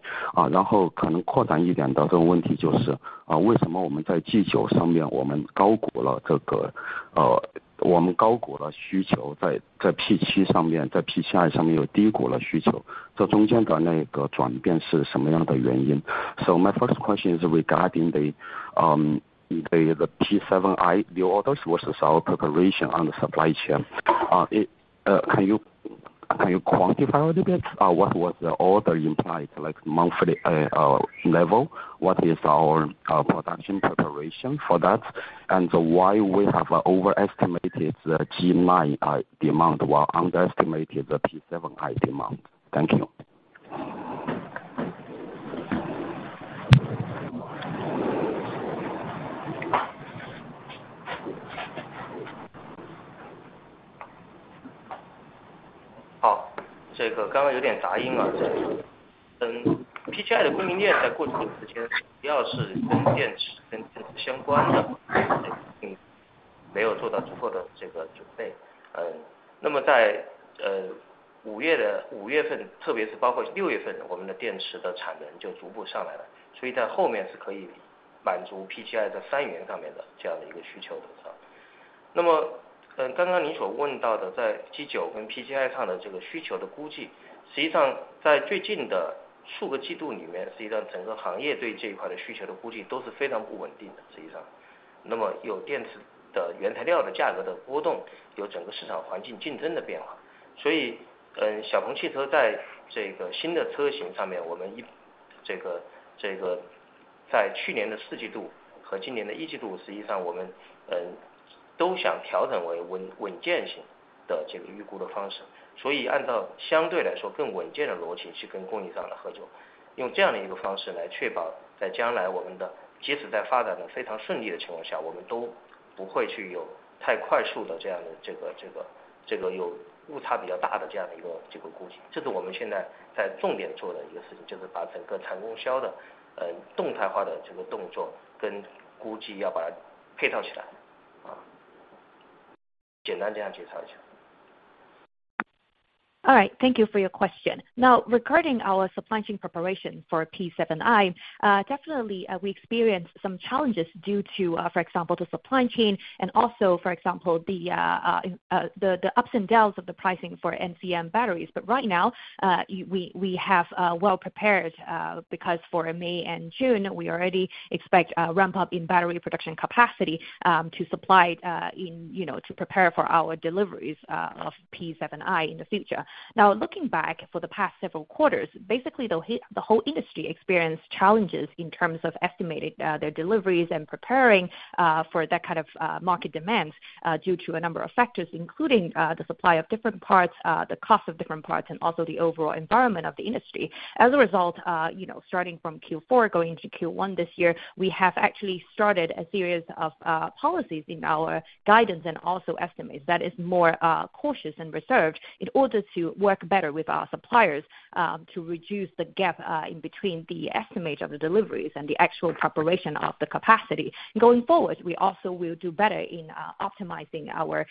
[SPEAKER 10] 然后可能扩展一点到这种问题就 是， 为什么我们在 G9 上面我们高估了这 个， 我们高估了需 求， 在 P7 上 面， 在 P7i 上面又低估了需 求， 这中间的那个转变是什么样的原 因？ My first question is regarding the P7i new orders versus our preparation on the supply chain. Can you quantify a little bit, what was the order implied like monthly level? What is our production preparation for that? Why we have overestimated the G9 demand, while underestimated the P7i demand? Thank you.
[SPEAKER 5] 好， 刚刚有点杂音。P7i 的供应链在过去的时 间， 主要是跟电 池， 跟电池相关的没有做到足够的准备。在5月 份， 特别是包括6月 份， 我们的电池的产能就逐步上来 了， 所以在后面是可以满足 P7i 的三元上面的这样的一个需求的。刚刚你所问到的在 G9 跟 P7i 上的需求的估 计， 实际上在最近的数个季度里 面， 实际上整个行业对这一块的需求的估计都是非常不稳定的实际上。有电池的原材料的价格的波 动， 有整个市场环境竞争的变化。小鹏汽车在新的车型上 面， 我们。
[SPEAKER 3] 在去年的四季度和今年的一季 度， 实际上我们都想调整为稳健型的这个预估的方式。所以按照相对来说更稳健的逻辑去跟供应商合 作， 用这样的一个方式来确保在将来我们的即使在发展得非常顺利的情况 下， 我们都不会去有太快速的这样的这个有误差比较大的这样的一个估计。这是我们现在在重点做的一个事 情， 就是把整个产供销的动态化的这个动作跟估计要把它配套起来啊。简单这样介绍一下。
[SPEAKER 4] All right, thank you for your question. Now regarding our supply chain preparation for P7i, definitely we experience some challenges due to, for example, the supply chain and also for example the ups and downs of the pricing for NCM batteries. Right now, we have well prepared because for May and June, we already expect a ramp up in battery production capacity to supply in, you know, to prepare for our deliveries of P7i in the future. Now looking back for the past several quarters, basically the whole industry experience challenges in terms of estimated their deliveries and preparing for that kind of market demands due to a number of factors, including the supply of different parts, the cost of different parts, and also the overall environment of the industry. As a result, you know, starting from Q4 going to Q1 this year, we have actually started a series of policies in our guidance and also estimates that is more cautious and reserved in order to work better with our suppliers to reduce the gap in between the estimates of the deliveries and the actual preparation of the capacity. Going forward, we also will do better in optimizing our,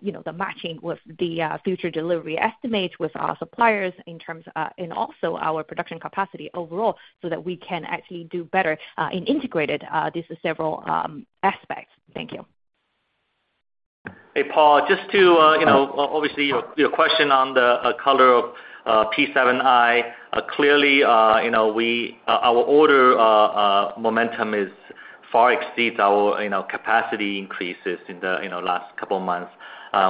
[SPEAKER 4] you know, the matching with the future delivery estimates with our suppliers in terms and also our production capacity overall, so that we can actually do better in integrated these several aspects. Thank you.
[SPEAKER 8] Hey, Paul, just to you know, obviously your question on the color of P7i. Clearly, you know, we, our order momentum is far exceeds our, you know, capacity increases in the, you know, last couple of months.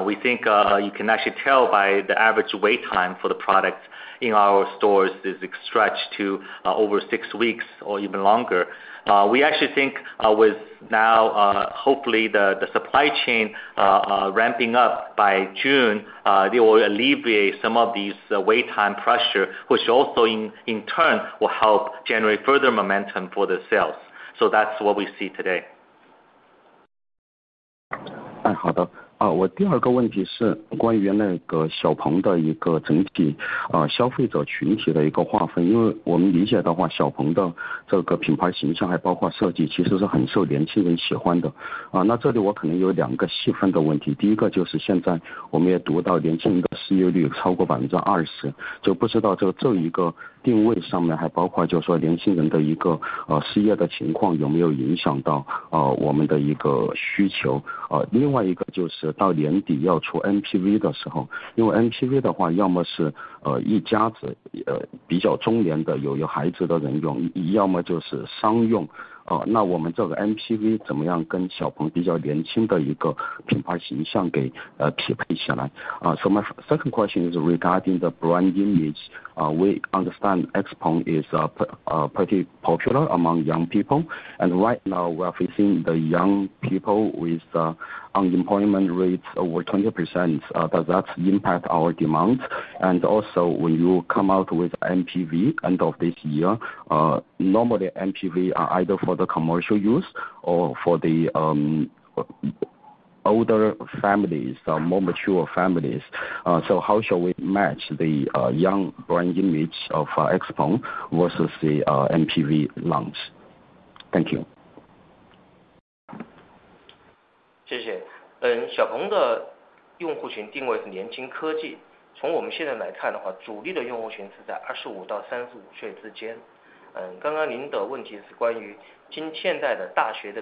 [SPEAKER 8] We think you can actually tell by the average wait time for the product in our stores is stretched to over six weeks or even longer. We actually think with now hopefully the supply chain ramping up by June, they will alleviate some of these wait time pressure, which also in turn will help generate further momentum for the sales. That's what we see today.
[SPEAKER 10] 好的。我第二个问题是关于那个 XPeng 的一个整 体， 消费者群体的一个划分。因为我们理解的 话， XPeng 的这个品牌形 象， 还包括设 计， 其实是很受年轻人喜欢的。那这里我可能有两个细分的问 题， 第一个就是现在我们也读到年轻人的失业率超过 20%， 就不知道这个这一个定位上 面， 还包括就是说年轻人的一个失业的情 况， 有没有影响到我们的一个需求。另外一个就是到年底要出 MPV 的时 候， 因为 MPV 的 话， 要么是一家 子， 比较中年 的， 有要孩子的人用 ，要 么就是商用。那我们这个 MPV 怎么样跟 XPeng 比较年轻的一个品牌形象给匹配起来。My second question is regarding the brand image. We understand XPeng is a pretty popular among young people, and right now we are facing the young people with unemployment rates over 20%. Does that impact our demand? When you come out with MPV end of this year, normally MPV are either for the commercial use or for the older families or more mature families. How shall we match the young brand image of XPeng versus the MPV launch? Thank you.
[SPEAKER 3] 谢谢. XPeng 的用户群定位是年轻 科技, 从我们现在来看 的话, 主力的用户群是在25到35岁 之间. 刚刚您的问题是关于今现在的大学的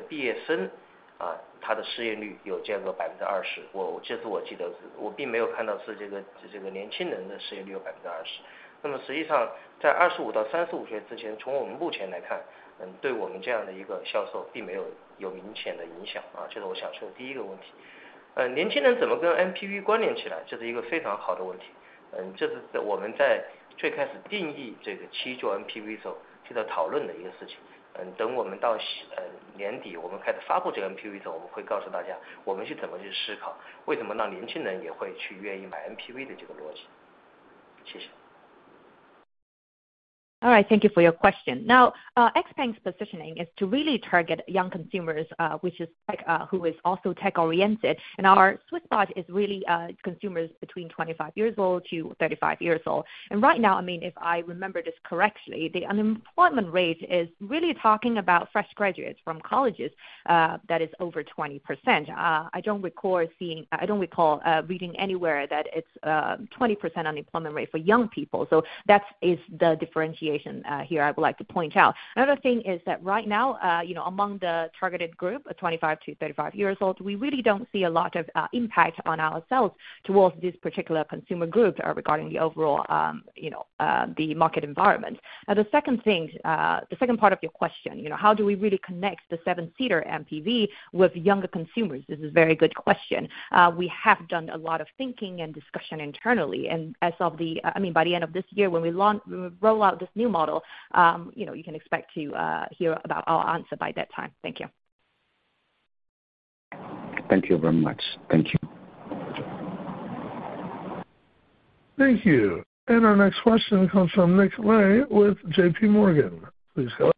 [SPEAKER 3] 毕业生, 他的失业率有超过 20%, 我 记得, 我并没有看到是这个年轻人的失业率有 20%. 那么实际上在25到35岁 之前, 从我们目前 来看, 对我们这样的一个销售并没有明显的 影响. 这是我想说的第一个 问题. 年轻人怎么跟 MPV 关联 起来, 这是一个非常好的 问题. 这是我们在最开始定义这个 7座 MPV 的时候就在讨论的一个 事情, 等我们到 西, 年底我们开始发布这个 MPV 的 时候, 我们会告诉大家我们是怎么去 思考, 为什么让年轻人也会去愿意买 MPV 的这个 逻辑. 谢谢.
[SPEAKER 4] All right, thank you for your question. Now, XPeng's positioning is to really target young consumers, which is like who is also tech oriented, and our sweet spot is really consumers between 25 years old to 35 years old. Right now, I mean, if I remember this correctly, the unemployment rate is really talking about fresh graduates from colleges that is over 20%. I don't recall seeing, I don't recall reading anywhere that it's 20% unemployment rate for young people. That is the differentiation here I would like to point out. Another thing is that right now, you know, among the targeted group of 25 to 35 years old, we really don't see a lot of impact on ourselves towards this particular consumer group regarding the overall, you know, the market environment. The second thing, the second part of your question, you know, how do we really connect the 7-seater MPV with younger consumers? This is a very good question. We have done a lot of thinking and discussion internally. As of the, I mean by the end of this year, when we roll out this new model, you know, you can expect to hear about our answer by that time. Thank you.
[SPEAKER 10] Thank you very much. Thank you.
[SPEAKER 1] Thank you. Our next question comes from Nick Lai with J.P. Morgan. Please go.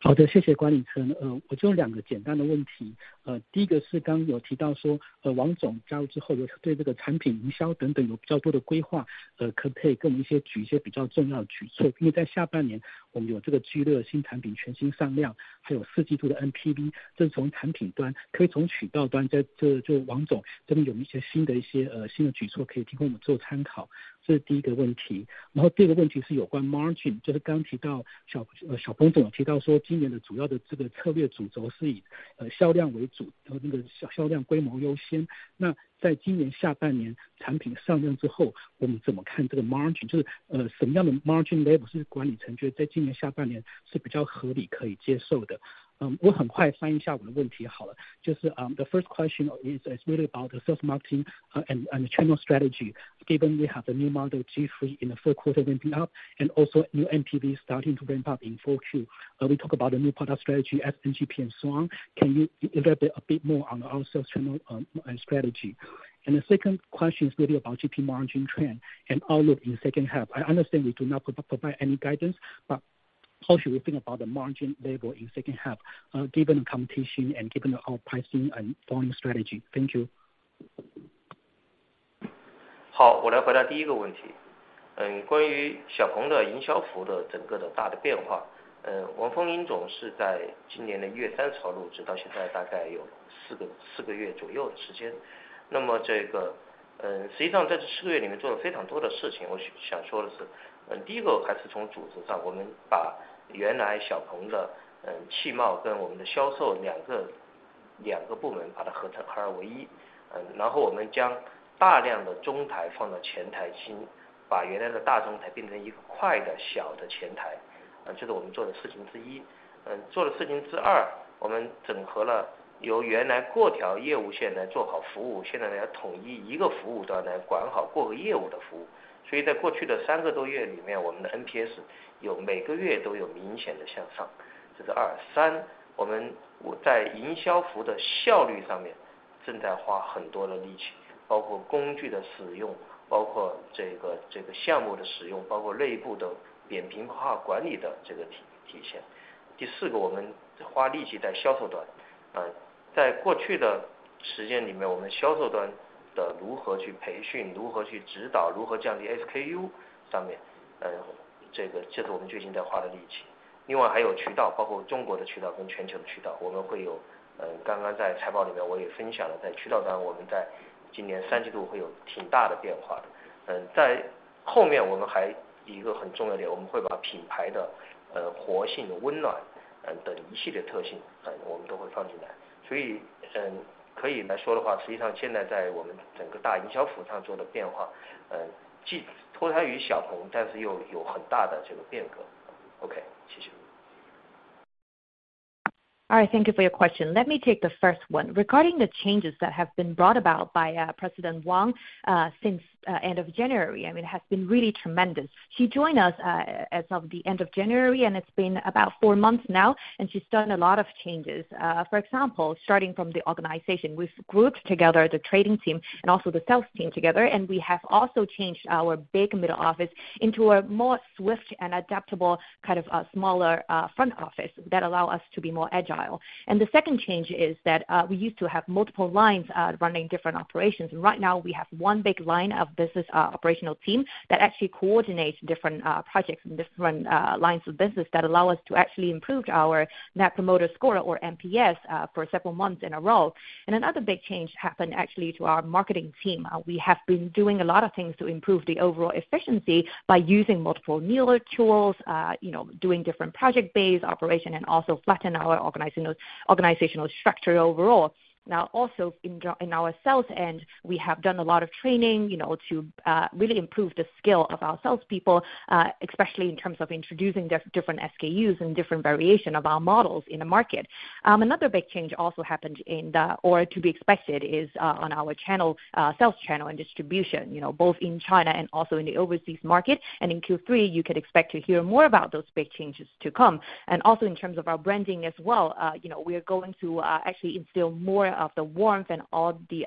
[SPEAKER 11] 好 的， 谢谢管理 层， 呃， 我就两个简单的问 题， 呃，第一个是刚刚有提到 说， 呃王总加入之后有对这个产品营销等等有比较多的规 划， 呃， 可不可以跟我们一 些， 举一些比较重要的举 措， 因为在下半年我们有这个 G 六新产品全新上 量， 还有四季度的 MPV， 这是从产品 端， 可不可以从渠道 端， 再就就王总这边有一些新的一 些， 呃， 新的举措可以提供我们做参 考， 这是第一个问题。然后第二个问题是有关 margin， 就是刚刚提到 小， 呃， 小鹏总有提到说今年的主要的这个策略主轴是 以， 呃销量为主，就那个销销量规模优 先， 那在今年下半年产品上量之 后， 我们怎么看这个 margin， 就 是， 呃， 什么样的 margin level 是管理层觉得在今年下半年是比较合理可以接受的。嗯， 我很快翻译一下我的问题好了 ，就 是 um, the first question is, is really about the sales marketing and, and channel strategy. Given we have the new model G3i in the fourth quarter ramp up and also new MPV starting to ramp up in 4Q, we talk about the new product strategy as NGP and so on. Can you elaborate a bit more on our sales channel and strategy? The second question is really about GP margin trend and outlook in second half. I understand we do not provide any guidance, but how should we think about the margin level in second half, given the competition and given our pricing and volume strategy? Thank you.
[SPEAKER 7] 好， 我来回答第1个问题。关于 XPeng 的营销服的整个的大的变 化， Wang Fengying 总是在今年的1月30号入 职， 到现在大概有4个月左右的时 间， 那么这 个， 实际上在这4个月里面做了非常多的事 情， 我想说的 是， 第1个还是从组织 上， 我们把原来 XPeng 的气帽跟我们的销售2个部门把它合成2合为 1， 然后我们将大量的中台放到前台 去， 把原来的大中台变成1个快的小的前 台， 这是我们做的事情之 1。做的事情之 2， 我们整合了由原来各条业务线来做好服 务， 现在呢要统一1个服务端来管好各个业务的服务。所以在过去的3个多月里 面， 我们的 NPS 有每个月都有明显的向 上， 这是 2。3， 我们在营销
[SPEAKER 4] All right. Thank you for your question. Let me take the first one. Regarding the changes that have been brought about by President Wang, since end of January, I mean, it has been really tremendous. She joined us as of the end of January, and it's been about 4 months now, and she's done a lot of changes. For example, starting from the organization, we've grouped together the trading team and also the sales team together, and we have also changed our big middle office into a more swift and adaptable kind of smaller front office that allow us to be more agile. The second change is that we used to have multiple lines running different operations. Right now we have one big line of business operational team that actually coordinates different projects and different lines of business that allow us to actually improve our net promoter score or NPS for several months in a row. Another big change happened actually to our marketing team. We have been doing a lot of things to improve the overall efficiency by using multiple newer tools, you know, doing different project-based operation and also flatten our organizational structure overall. Also in our sales end, we have done a lot of training, you know, to really improve the skill of our salespeople, especially in terms of introducing different SKUs and different variation of our models in the market. Another big change also happened in the, or to be expected, is on our channel, sales channel and distribution, you know, both in China and also in the overseas market. In Q3, you can expect to hear more about those big changes to come. Also in terms of our branding as well, you know, we are going to actually instill more of the warmth and all the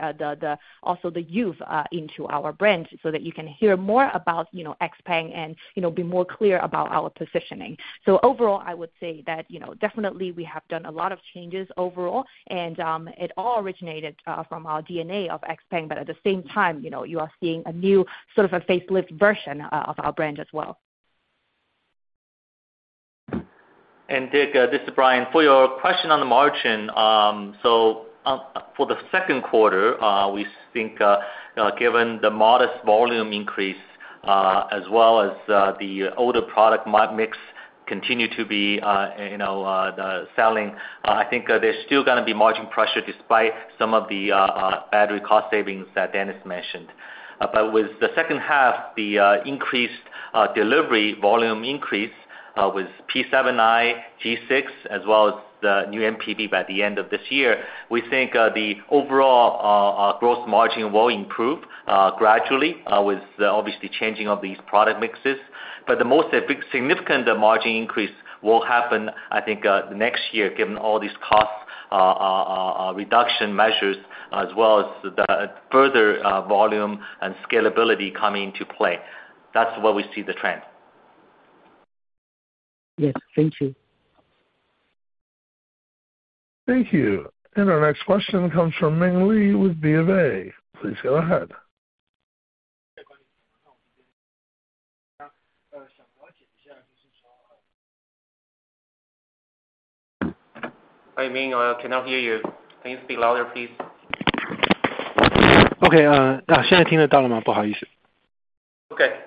[SPEAKER 4] also the youth into our brand so that you can hear more about, you know, XPeng and, you know, be more clear about our positioning. Overall, I would say that, you know, definitely we have done a lot of changes overall and it all originated from our DNA of XPeng. At the same time, you know, you are seeing a new sort of a facelift version of our brand as well.
[SPEAKER 8] Nick, this is Brian. For your question on the margin, for the second quarter, we think given the modest volume increase, as well as the older product mix continue to be, you know, the selling, I think there's still going to be margin pressure despite some of the battery cost savings that Dennis mentioned. With the second half, the increased delivery volume increase, with P7i, G6, as well as the new MPV by the end of this year, we think the overall gross margin will improve gradually with obviously changing of these product mixes. The most significant margin increase will happen, I think, next year, given all these cost reduction measures as well as the further volume and scalability coming into play. That's where we see the trend.
[SPEAKER 11] Yes. Thank you.
[SPEAKER 1] Thank you. Our next question comes from Ming Lee with BofA. Please go ahead.
[SPEAKER 8] Hi Ming, I cannot hear you. Please speak louder, please.
[SPEAKER 12] Okay.
[SPEAKER 8] Okay.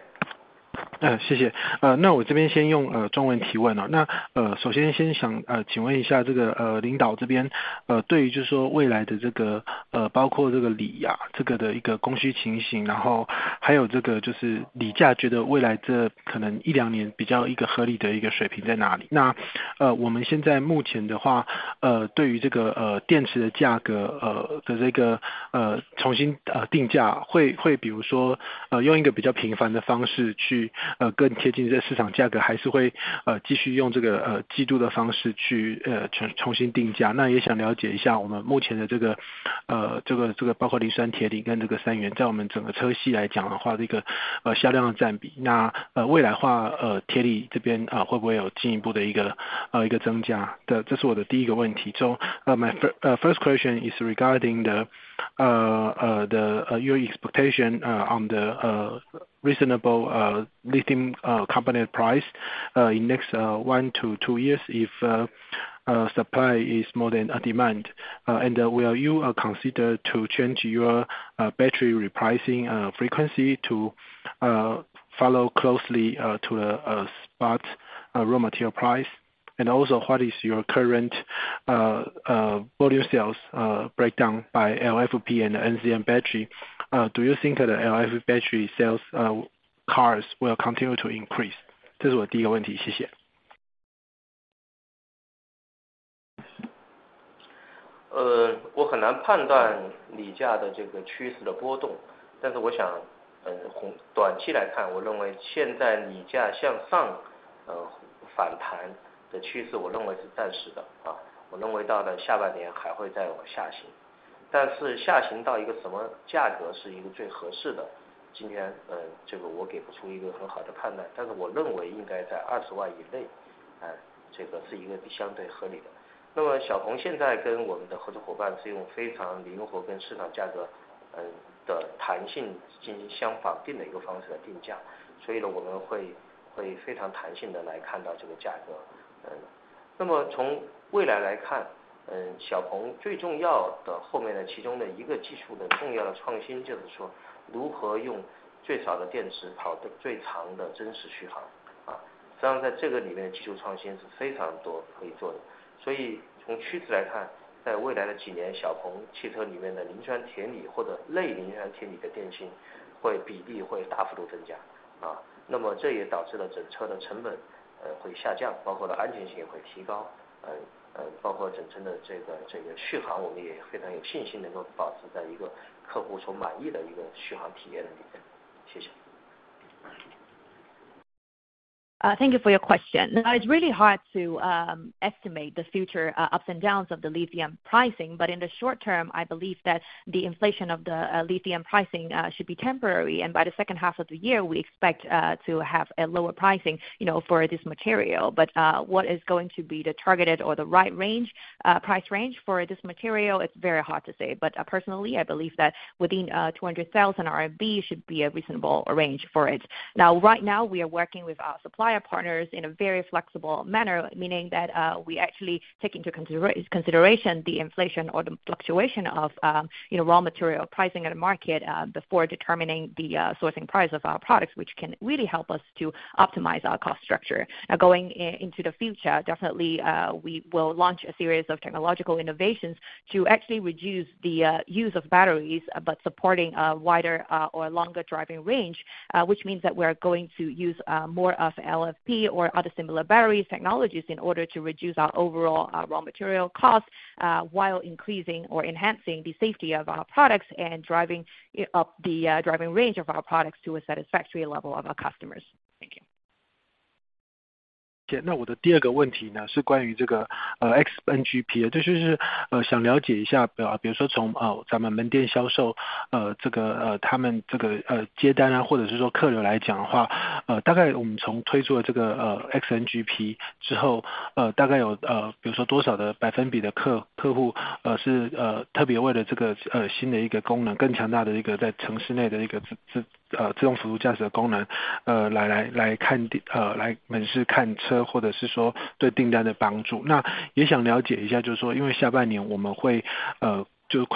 [SPEAKER 4] It's really hard to estimate the future ups and downs of the lithium pricing. But in the short term, I believe that the inflation of the lithium pricing should be temporary. By the second half of the year, we expect to have a lower pricing, you know, for this material. What is going to be the targeted or the right range, price range for this material? It's very hard to say, but personally, I believe that within 200,000 RMB should be a reasonable range for it. Right now we are working with our supplier partners in a very flexible manner, meaning that we actually take into consideration the inflation or the fluctuation of, you know, raw material pricing in the market before determining the sourcing price of our products, which can really help us to optimize our cost structure. Going into the future, definitely, we will launch a series of technological innovations to actually reduce the use of batteries, but supporting a wider, or longer driving range, which means that we are going to use more of LFP or other similar batteries technologies in order to reduce our overall raw material costs, while increasing or enhancing the safety of our products and driving up the driving range of our products to a satisfactory level of our customers. Thank you.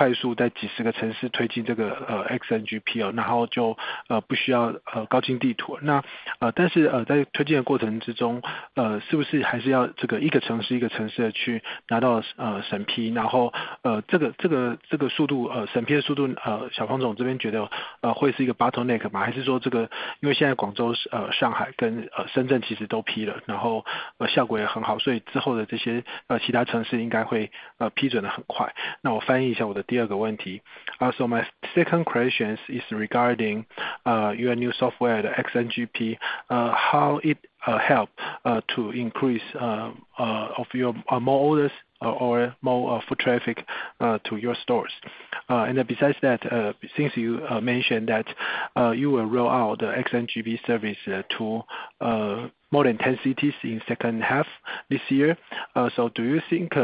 [SPEAKER 12] My second question is regarding your new software, the XNGP, how it help to increase of your more orders or more foot traffic to your stores? Besides that, since you mentioned that, you will roll out the XNGP service to more than 10 cities in second half this year. Do you think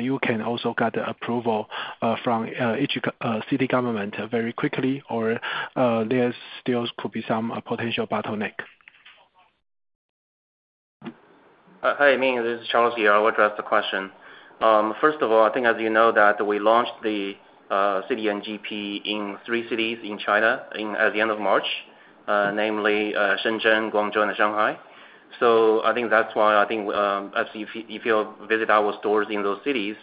[SPEAKER 12] you can also get the approval from each city government very quickly, or there's still could be some potential bottleneck?
[SPEAKER 13] Hi Ming, this is Charles here. I'll address the question. First of all, I think as you know that we launched the city NGP in three cities in China at the end of March, namely, Shenzhen, Guangzhou, and Shanghai. I think that's why I think as if you, if you visit our stores in those cities,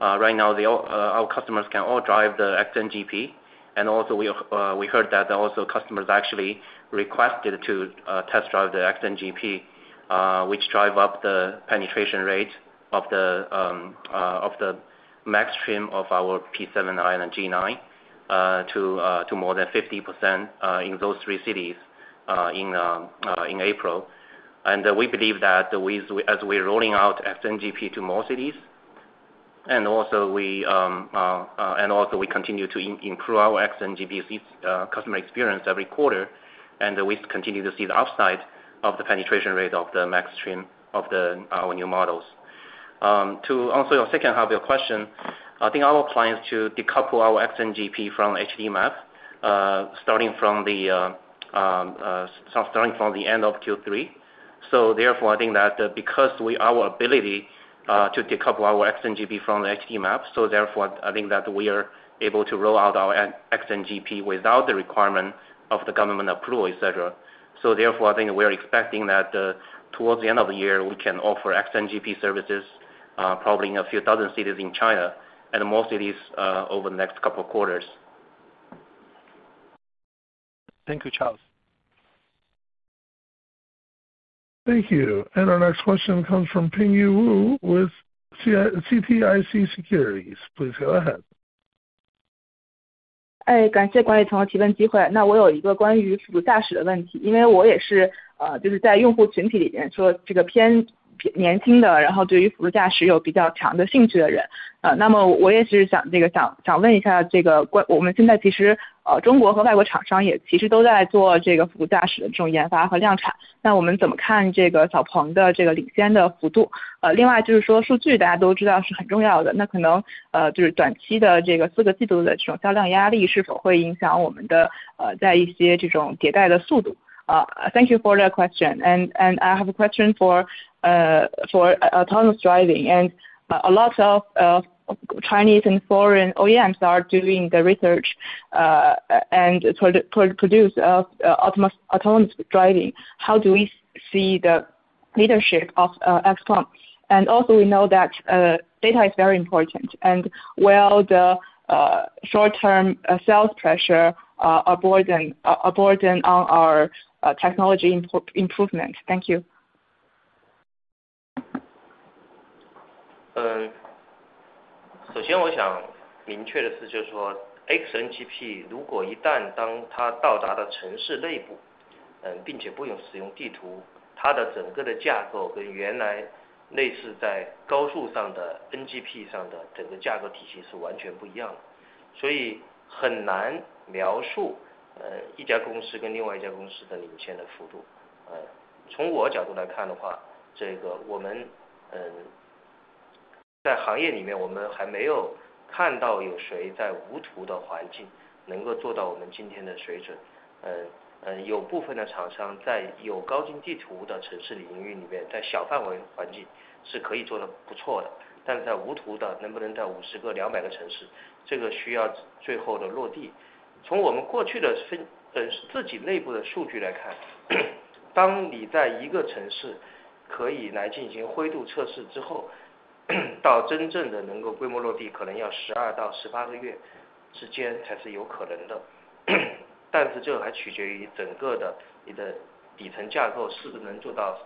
[SPEAKER 13] right now, they all, our customers can all drive the XNGP. Also we heard that also customers actually requested to test drive the XNGP, which drive up the penetration rate of the Max trim of our P7i and G9 to more than 50% in those three cities in April. We believe that the way as we're rolling out XNGP to more cities, and also we continue to improve our XNGP customer experience every quarter, and we continue to see the upside of the penetration rate of the Max trim of our new models. To answer your second half of your question, I think our plan is to decouple our XNGP from HD map, starting from the end of Q3. Therefore, I think that because we our ability to decouple our XNGP from HD map, therefore I think that we are able to roll out our XNGP without the requirement of the government approval, et cetera. Therefore, I think we are expecting that, towards the end of the year, we can offer XNGP services, probably in a few thousand cities in China and more cities, over the next couple of quarters.
[SPEAKER 12] Thank you, Charles.
[SPEAKER 1] Thank you. Our next question comes from Ping Yu Wu with CITIC Securities. Please go ahead.
[SPEAKER 14] 感谢管理层提问机会。那我有一个关于辅助驾驶的问 题， 因为我也是就是在用户群体里面说这个偏年轻 的， 然后对于辅助驾驶有比较强的兴趣的人。那么我也是想问一下这个关我们现在其实中国和外国厂商也其实都在做这个辅助驾驶的这种研发和量产。那我们怎么看这个 XPeng 的这个领先的幅 度？ 另外就是说数据大家都知道是很重要 的， 那可能就是短期的这个4个季度的这种销量压力是否会影响我们的在一些这种迭代的速 度？ Thank you for the question. I have a question for autonomous driving and a lot of Chinese and foreign OEMs are doing the research and to produce autonomous driving. How do we see the leadership of XPeng? Also, we know that data is very important and will the short term sales pressure avoiding our technology improvement? Thank you.
[SPEAKER 7] 首先我想明确的 是， 就是说 XNGP 如果一旦当它到达了城市内 部， 并且不用使用地 图， 它的整个的架构跟原来类似在高速上的 NGP 上的整个架构体系是完全不一 样， 很难描述一家公司跟另外一家公司的领先的幅度。从我角度来看的 话， 这个我们在行业里 面， 我们还没有看到有谁在无图的环境能够做到我们今天的水准。有部分的厂商在有高精地图的城市领域里 面， 在小范围环境是可以做得不错 的， 在无图的能不能在50 个、200个城 市， 这个需要最后的落地。从我们过去的自己内部的数据来看。当你在一个城市可以来进行灰度测试之后，到真正的能够规模落 地， 可能要 12-18 个月之间才是有可能的。这还取决于整个的你的底层架构是不是能做到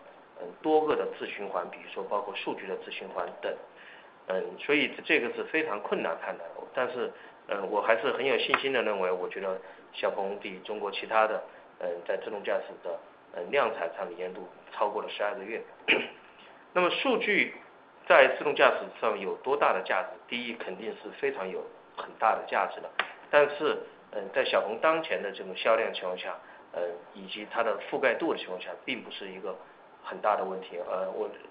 [SPEAKER 7] 多个的自循 环， 比如说包括数据的自循环等。这个是非常困难判断。我还是很有信心地认 为， 我觉得小鹏比中国其他的在自动驾驶的量产上的严重超过了12个月。数据在自动驾驶上有多大的价 值？ 第一肯定是非常有很大的价值的。在小鹏当前的这种销量情况 下， 以及它的覆盖度的情况 下， 并不是一个很大的问题。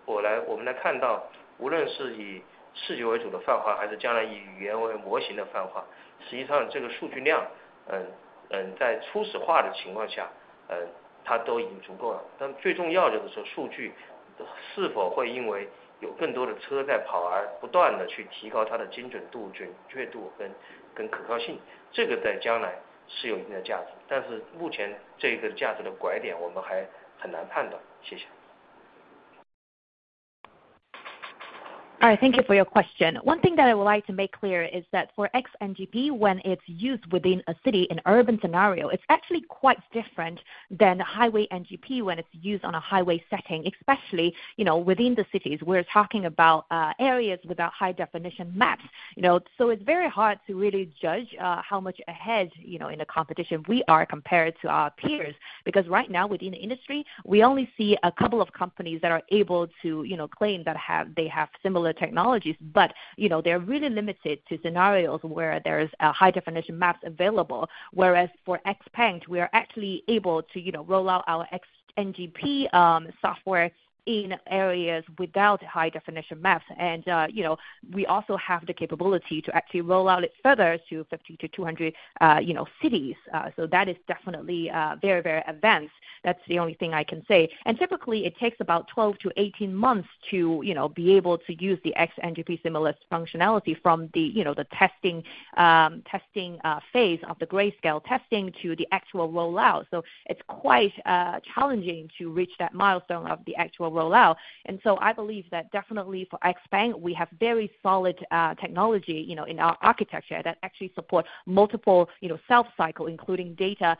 [SPEAKER 7] 我们来看 到， 无论是以视觉为主的泛 化， 还是将来以语言为模型的泛 化， 实际上这个数据量在初始化的情况 下， 它都已经足够了。最重要的就是数据是否会因为有更多的车在跑而不断地去提高它的精准度、准确度跟可靠 性， 这个在将来是有一定的价 值， 目前这个价值的拐点我们还很难判断。谢谢。
[SPEAKER 4] Thank you for your question. One thing that I would like to make clear is that for XNGP when it's used within a city, an urban scenario, it's actually quite different than Highway NGP when it's used on a highway setting, especially, you know, within the cities. We're talking about areas without high definition maps, you know, so it's very hard to really judge how much ahead, you know, in a competition we are compared to our peers. Right now within the industry, we only see a couple of companies that are able to, you know, claim that they have similar technologies, but you know, they are really limited to scenarios where there is a high definition maps available, whereas for XPeng we are actually able to, you know, roll out our XNGP software in areas without high definition maps. You know, we also have the capability to actually roll out it further to 50-200, you know, cities. That is definitely very, very advanced. That's the only thing I can say. Typically it takes about 12 to 18 months to, you know, be able to use the XNGP similar functionality from the, you know, the testing phase of the grayscale testing to the actual rollout. It's quite challenging to reach that milestone of the actual rollout. I believe that definitely for XPeng, we have very solid technology, you know, in our architecture that actually support multiple, you know, self cycle, including data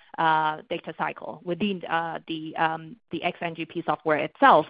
[SPEAKER 4] data cycle within the XNGP software itself.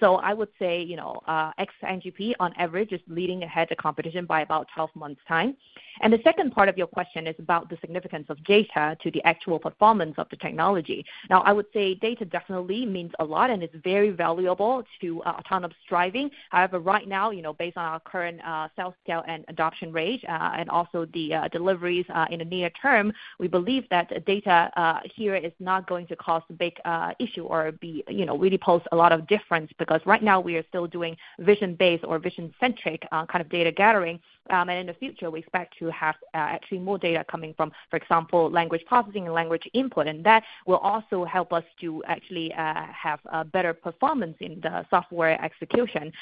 [SPEAKER 4] I would say, you know, XNGP on average is leading ahead the competition by about 12 months time. The second part of your question is about the significance of data to the actual performance of the technology. Now I would say data definitely means a lot and it's very valuable to autonomous driving. However, right now, you know, based on our current sales scale and adoption rate, and also the deliveries in the near term, we believe that data here is not going to cause a big issue or be, you know, really pose a lot of difference because right now we are still doing vision-based or vision-centric kind of data gathering. In the future we expect to have actually more data coming from, for example, language processing and language input, and that will also help us to actually have a better performance in the software execution.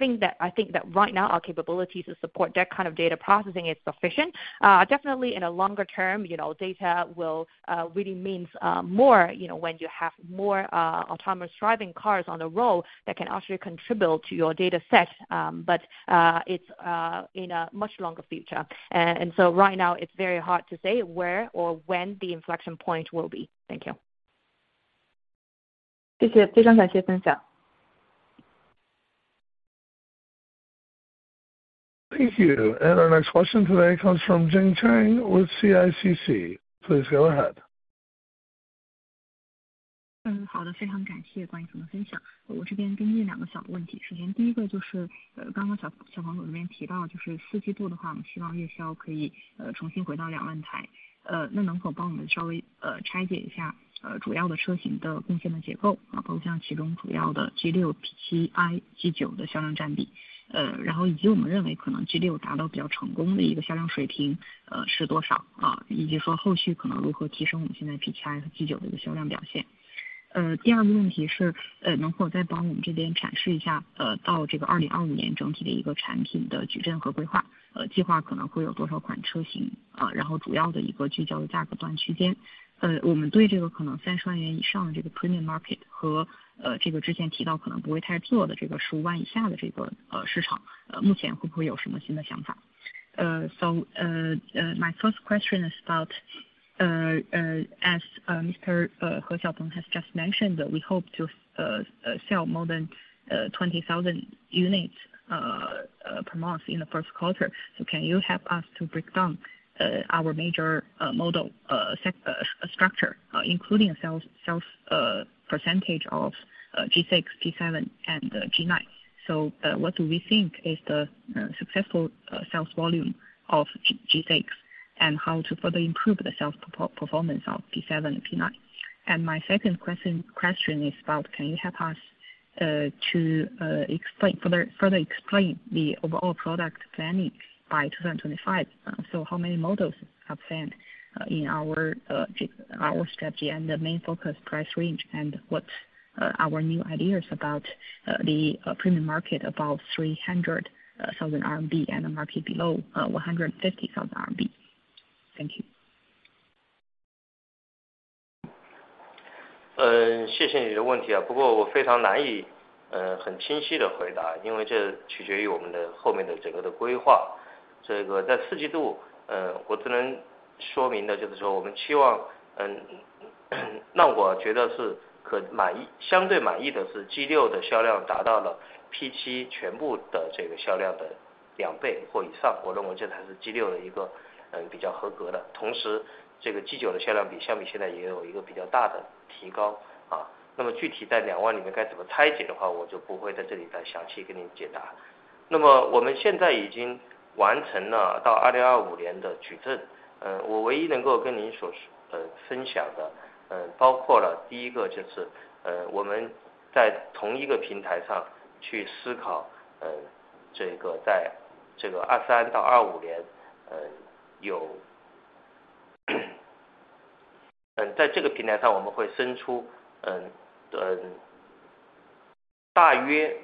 [SPEAKER 4] I think that right now our capabilities to support that kind of data processing is sufficient. Definitely in a longer-term, you know, data will really means more, you know, when you have more autonomous driving cars on the road that can actually contribute to your data set, but it's in a much longer future. Right now it's very hard to say where or when the inflection point will be. Thank you.
[SPEAKER 14] 谢 谢， 非常感谢分享。
[SPEAKER 1] Thank you. Our next question today comes from Fei Fang with CICC. Please go ahead.
[SPEAKER 15] 好 的， 非常感谢关于这种分 享， 我这边跟进两个小的问题。首先第一个就是刚刚 小， 小鹏这边提到就是四季度的 话， 我们希望月销可以重新回到两万 台， 呃， 那能否帮我们稍 微， 呃， 拆解一 下， 呃， 主要的车型的贡献的结 构， 啊包括像其中主要的 G6、P7i、G9 的销量占 比， 呃， 然后以及我们认为可能 G6 达到比较成功的一个销量水 平， 呃， 是多 少， 啊以及说后续可能如何提升我们现在 P7i 和 G9 的销量表现。呃， 第二个问题 是， 呃， 能否再帮我们这边展示一 下， 呃， 到这个2025年整体的一个产品的矩阵和规 划， 呃， 计划可能会有多少款车 型， 啊然后主要的一个聚焦的价格段区 间， 呃，我们对这个可能三十万元以上的这个 premium market 和， 呃， 这个之前提到可能不会太做的这个十五万以下的这 个， 呃， 市 场， 呃目前会不会有什么新的想法 ？Uh so uh uh my first question is about uh uh as uh Mr. He Xiaopeng has just mentioned that we hope to sell more than 20,000 units per month in the first quarter. Can you help us to break down our major model structure including sales percentage of G6, G7 and G9? What do we think is the successful sales volume of G6 and how to further improve the sales performance of P7, P9? My second question is about can you help us to explain further the overall product planning by 2025? How many models are planned in our strategy and the main focus price range and what's our new ideas about the premium market above 300,000 RMB and the market below 150,000 RMB. Thank you.
[SPEAKER 3] 嗯， 谢谢你的问题 啊， 不过我非常难 以， 呃， 很清晰地回 答， 因为这取决于我们的后面的整个的规划。这个在四季 度， 呃， 我只能说明的就是说我们期 望， 嗯， 那我觉得是可满 意， 相对满意的是 G6 的销量达到了 P7 全部的这个销量的两倍或以 上， 我认为这才是 G6 的一 个， 呃， 比较合格的。同时这个 G9 的销量比相比现在也有一个比较大的提高。啊， 那么具体在两万里面该怎么拆解的话 ，我 就不会在这里再详细跟你解答。那么我们现在已经完成了到2025年的矩 阵， 呃， 我唯一能够跟您 所， 呃， 分享 的， 呃， 包括了第一个就 是， 呃， 我们在同一个平台上去思 考， 呃， 这个在这个23到25 年， 呃， 有 Allen， 在这个平台 上， 我们会生 出， 嗯， 嗯， 大约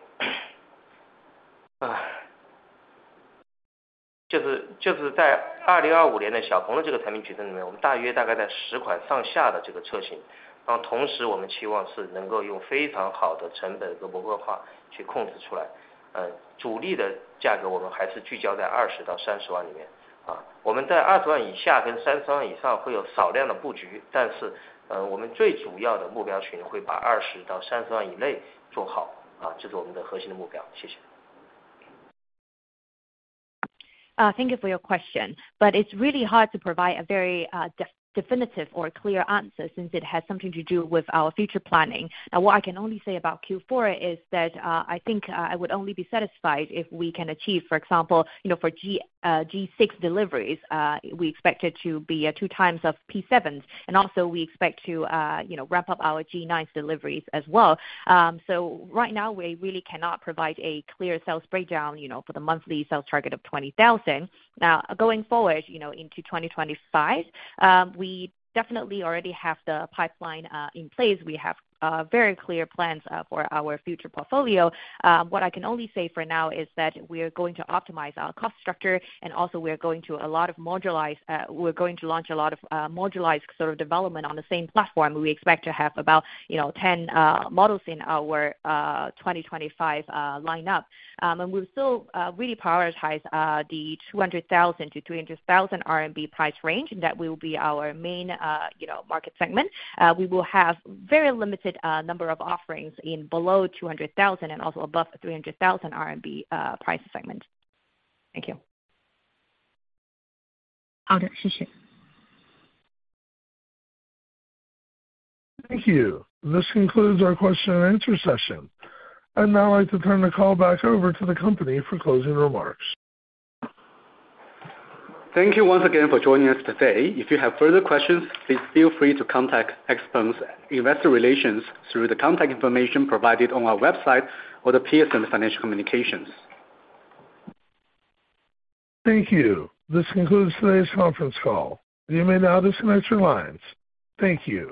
[SPEAKER 3] 啊 -就 是， 就是在二零二五年 呢， 小鹏的这个产品矩阵里 面， 我们大约大概在十款上下的这个车 型， 然后同时我们期望是能够用非常好的成本和模块化去控制出来。呃， 主力的价格我们还是聚焦在二十到三十万里 面， 啊我们在二十万以下跟三十万以上会有少量的布 局， 但是 呃， 我们最主要的目标群会把二十到三十万以内做 好， 啊， 这是我们的核心的目 标， 谢谢。
[SPEAKER 4] Thank you for your question, but it's really hard to provide a very definitive or clear answer since it has something to do with our future planning. What I can only say about Q4 is that I think I would only be satisfied if we can achieve. For example, you know, for G6 deliveries, we expect it to be 2x of P7. Also we expect to, you know, wrap up our G9 deliveries as well. Right now, we really cannot provide a clear sales breakdown, you know, for the monthly sales target of 20,000. Going forward, you know, into 2025, we definitely already have the pipeline in place. We have very clear plans for our future portfolio. What I can only say for now is that we are going to optimize our cost structure and also we are going to launch a lot of modularized sort of development on the same platform. We expect to have about, you know, 10 models in our 2025 line-up. We'll still really prioritize the 200,000-300,000 RMB price range, and that will be our main, you know, market segment. We will have very limited number of offerings in below 200,000 and also above 300,000 RMB price segment. Thank you.
[SPEAKER 15] 好 的, 谢谢.
[SPEAKER 1] Thank you. This concludes our question and answer session. I'd now like to turn the call back over to the company for closing remarks.
[SPEAKER 2] Thank you once again for joining us today. If you have further questions, please feel free to contact XPeng's investor relations through the contact information provided on our website or the Piacente Financial Communications.
[SPEAKER 1] Thank you. This concludes today's conference call. You may now disconnect your lines. Thank you.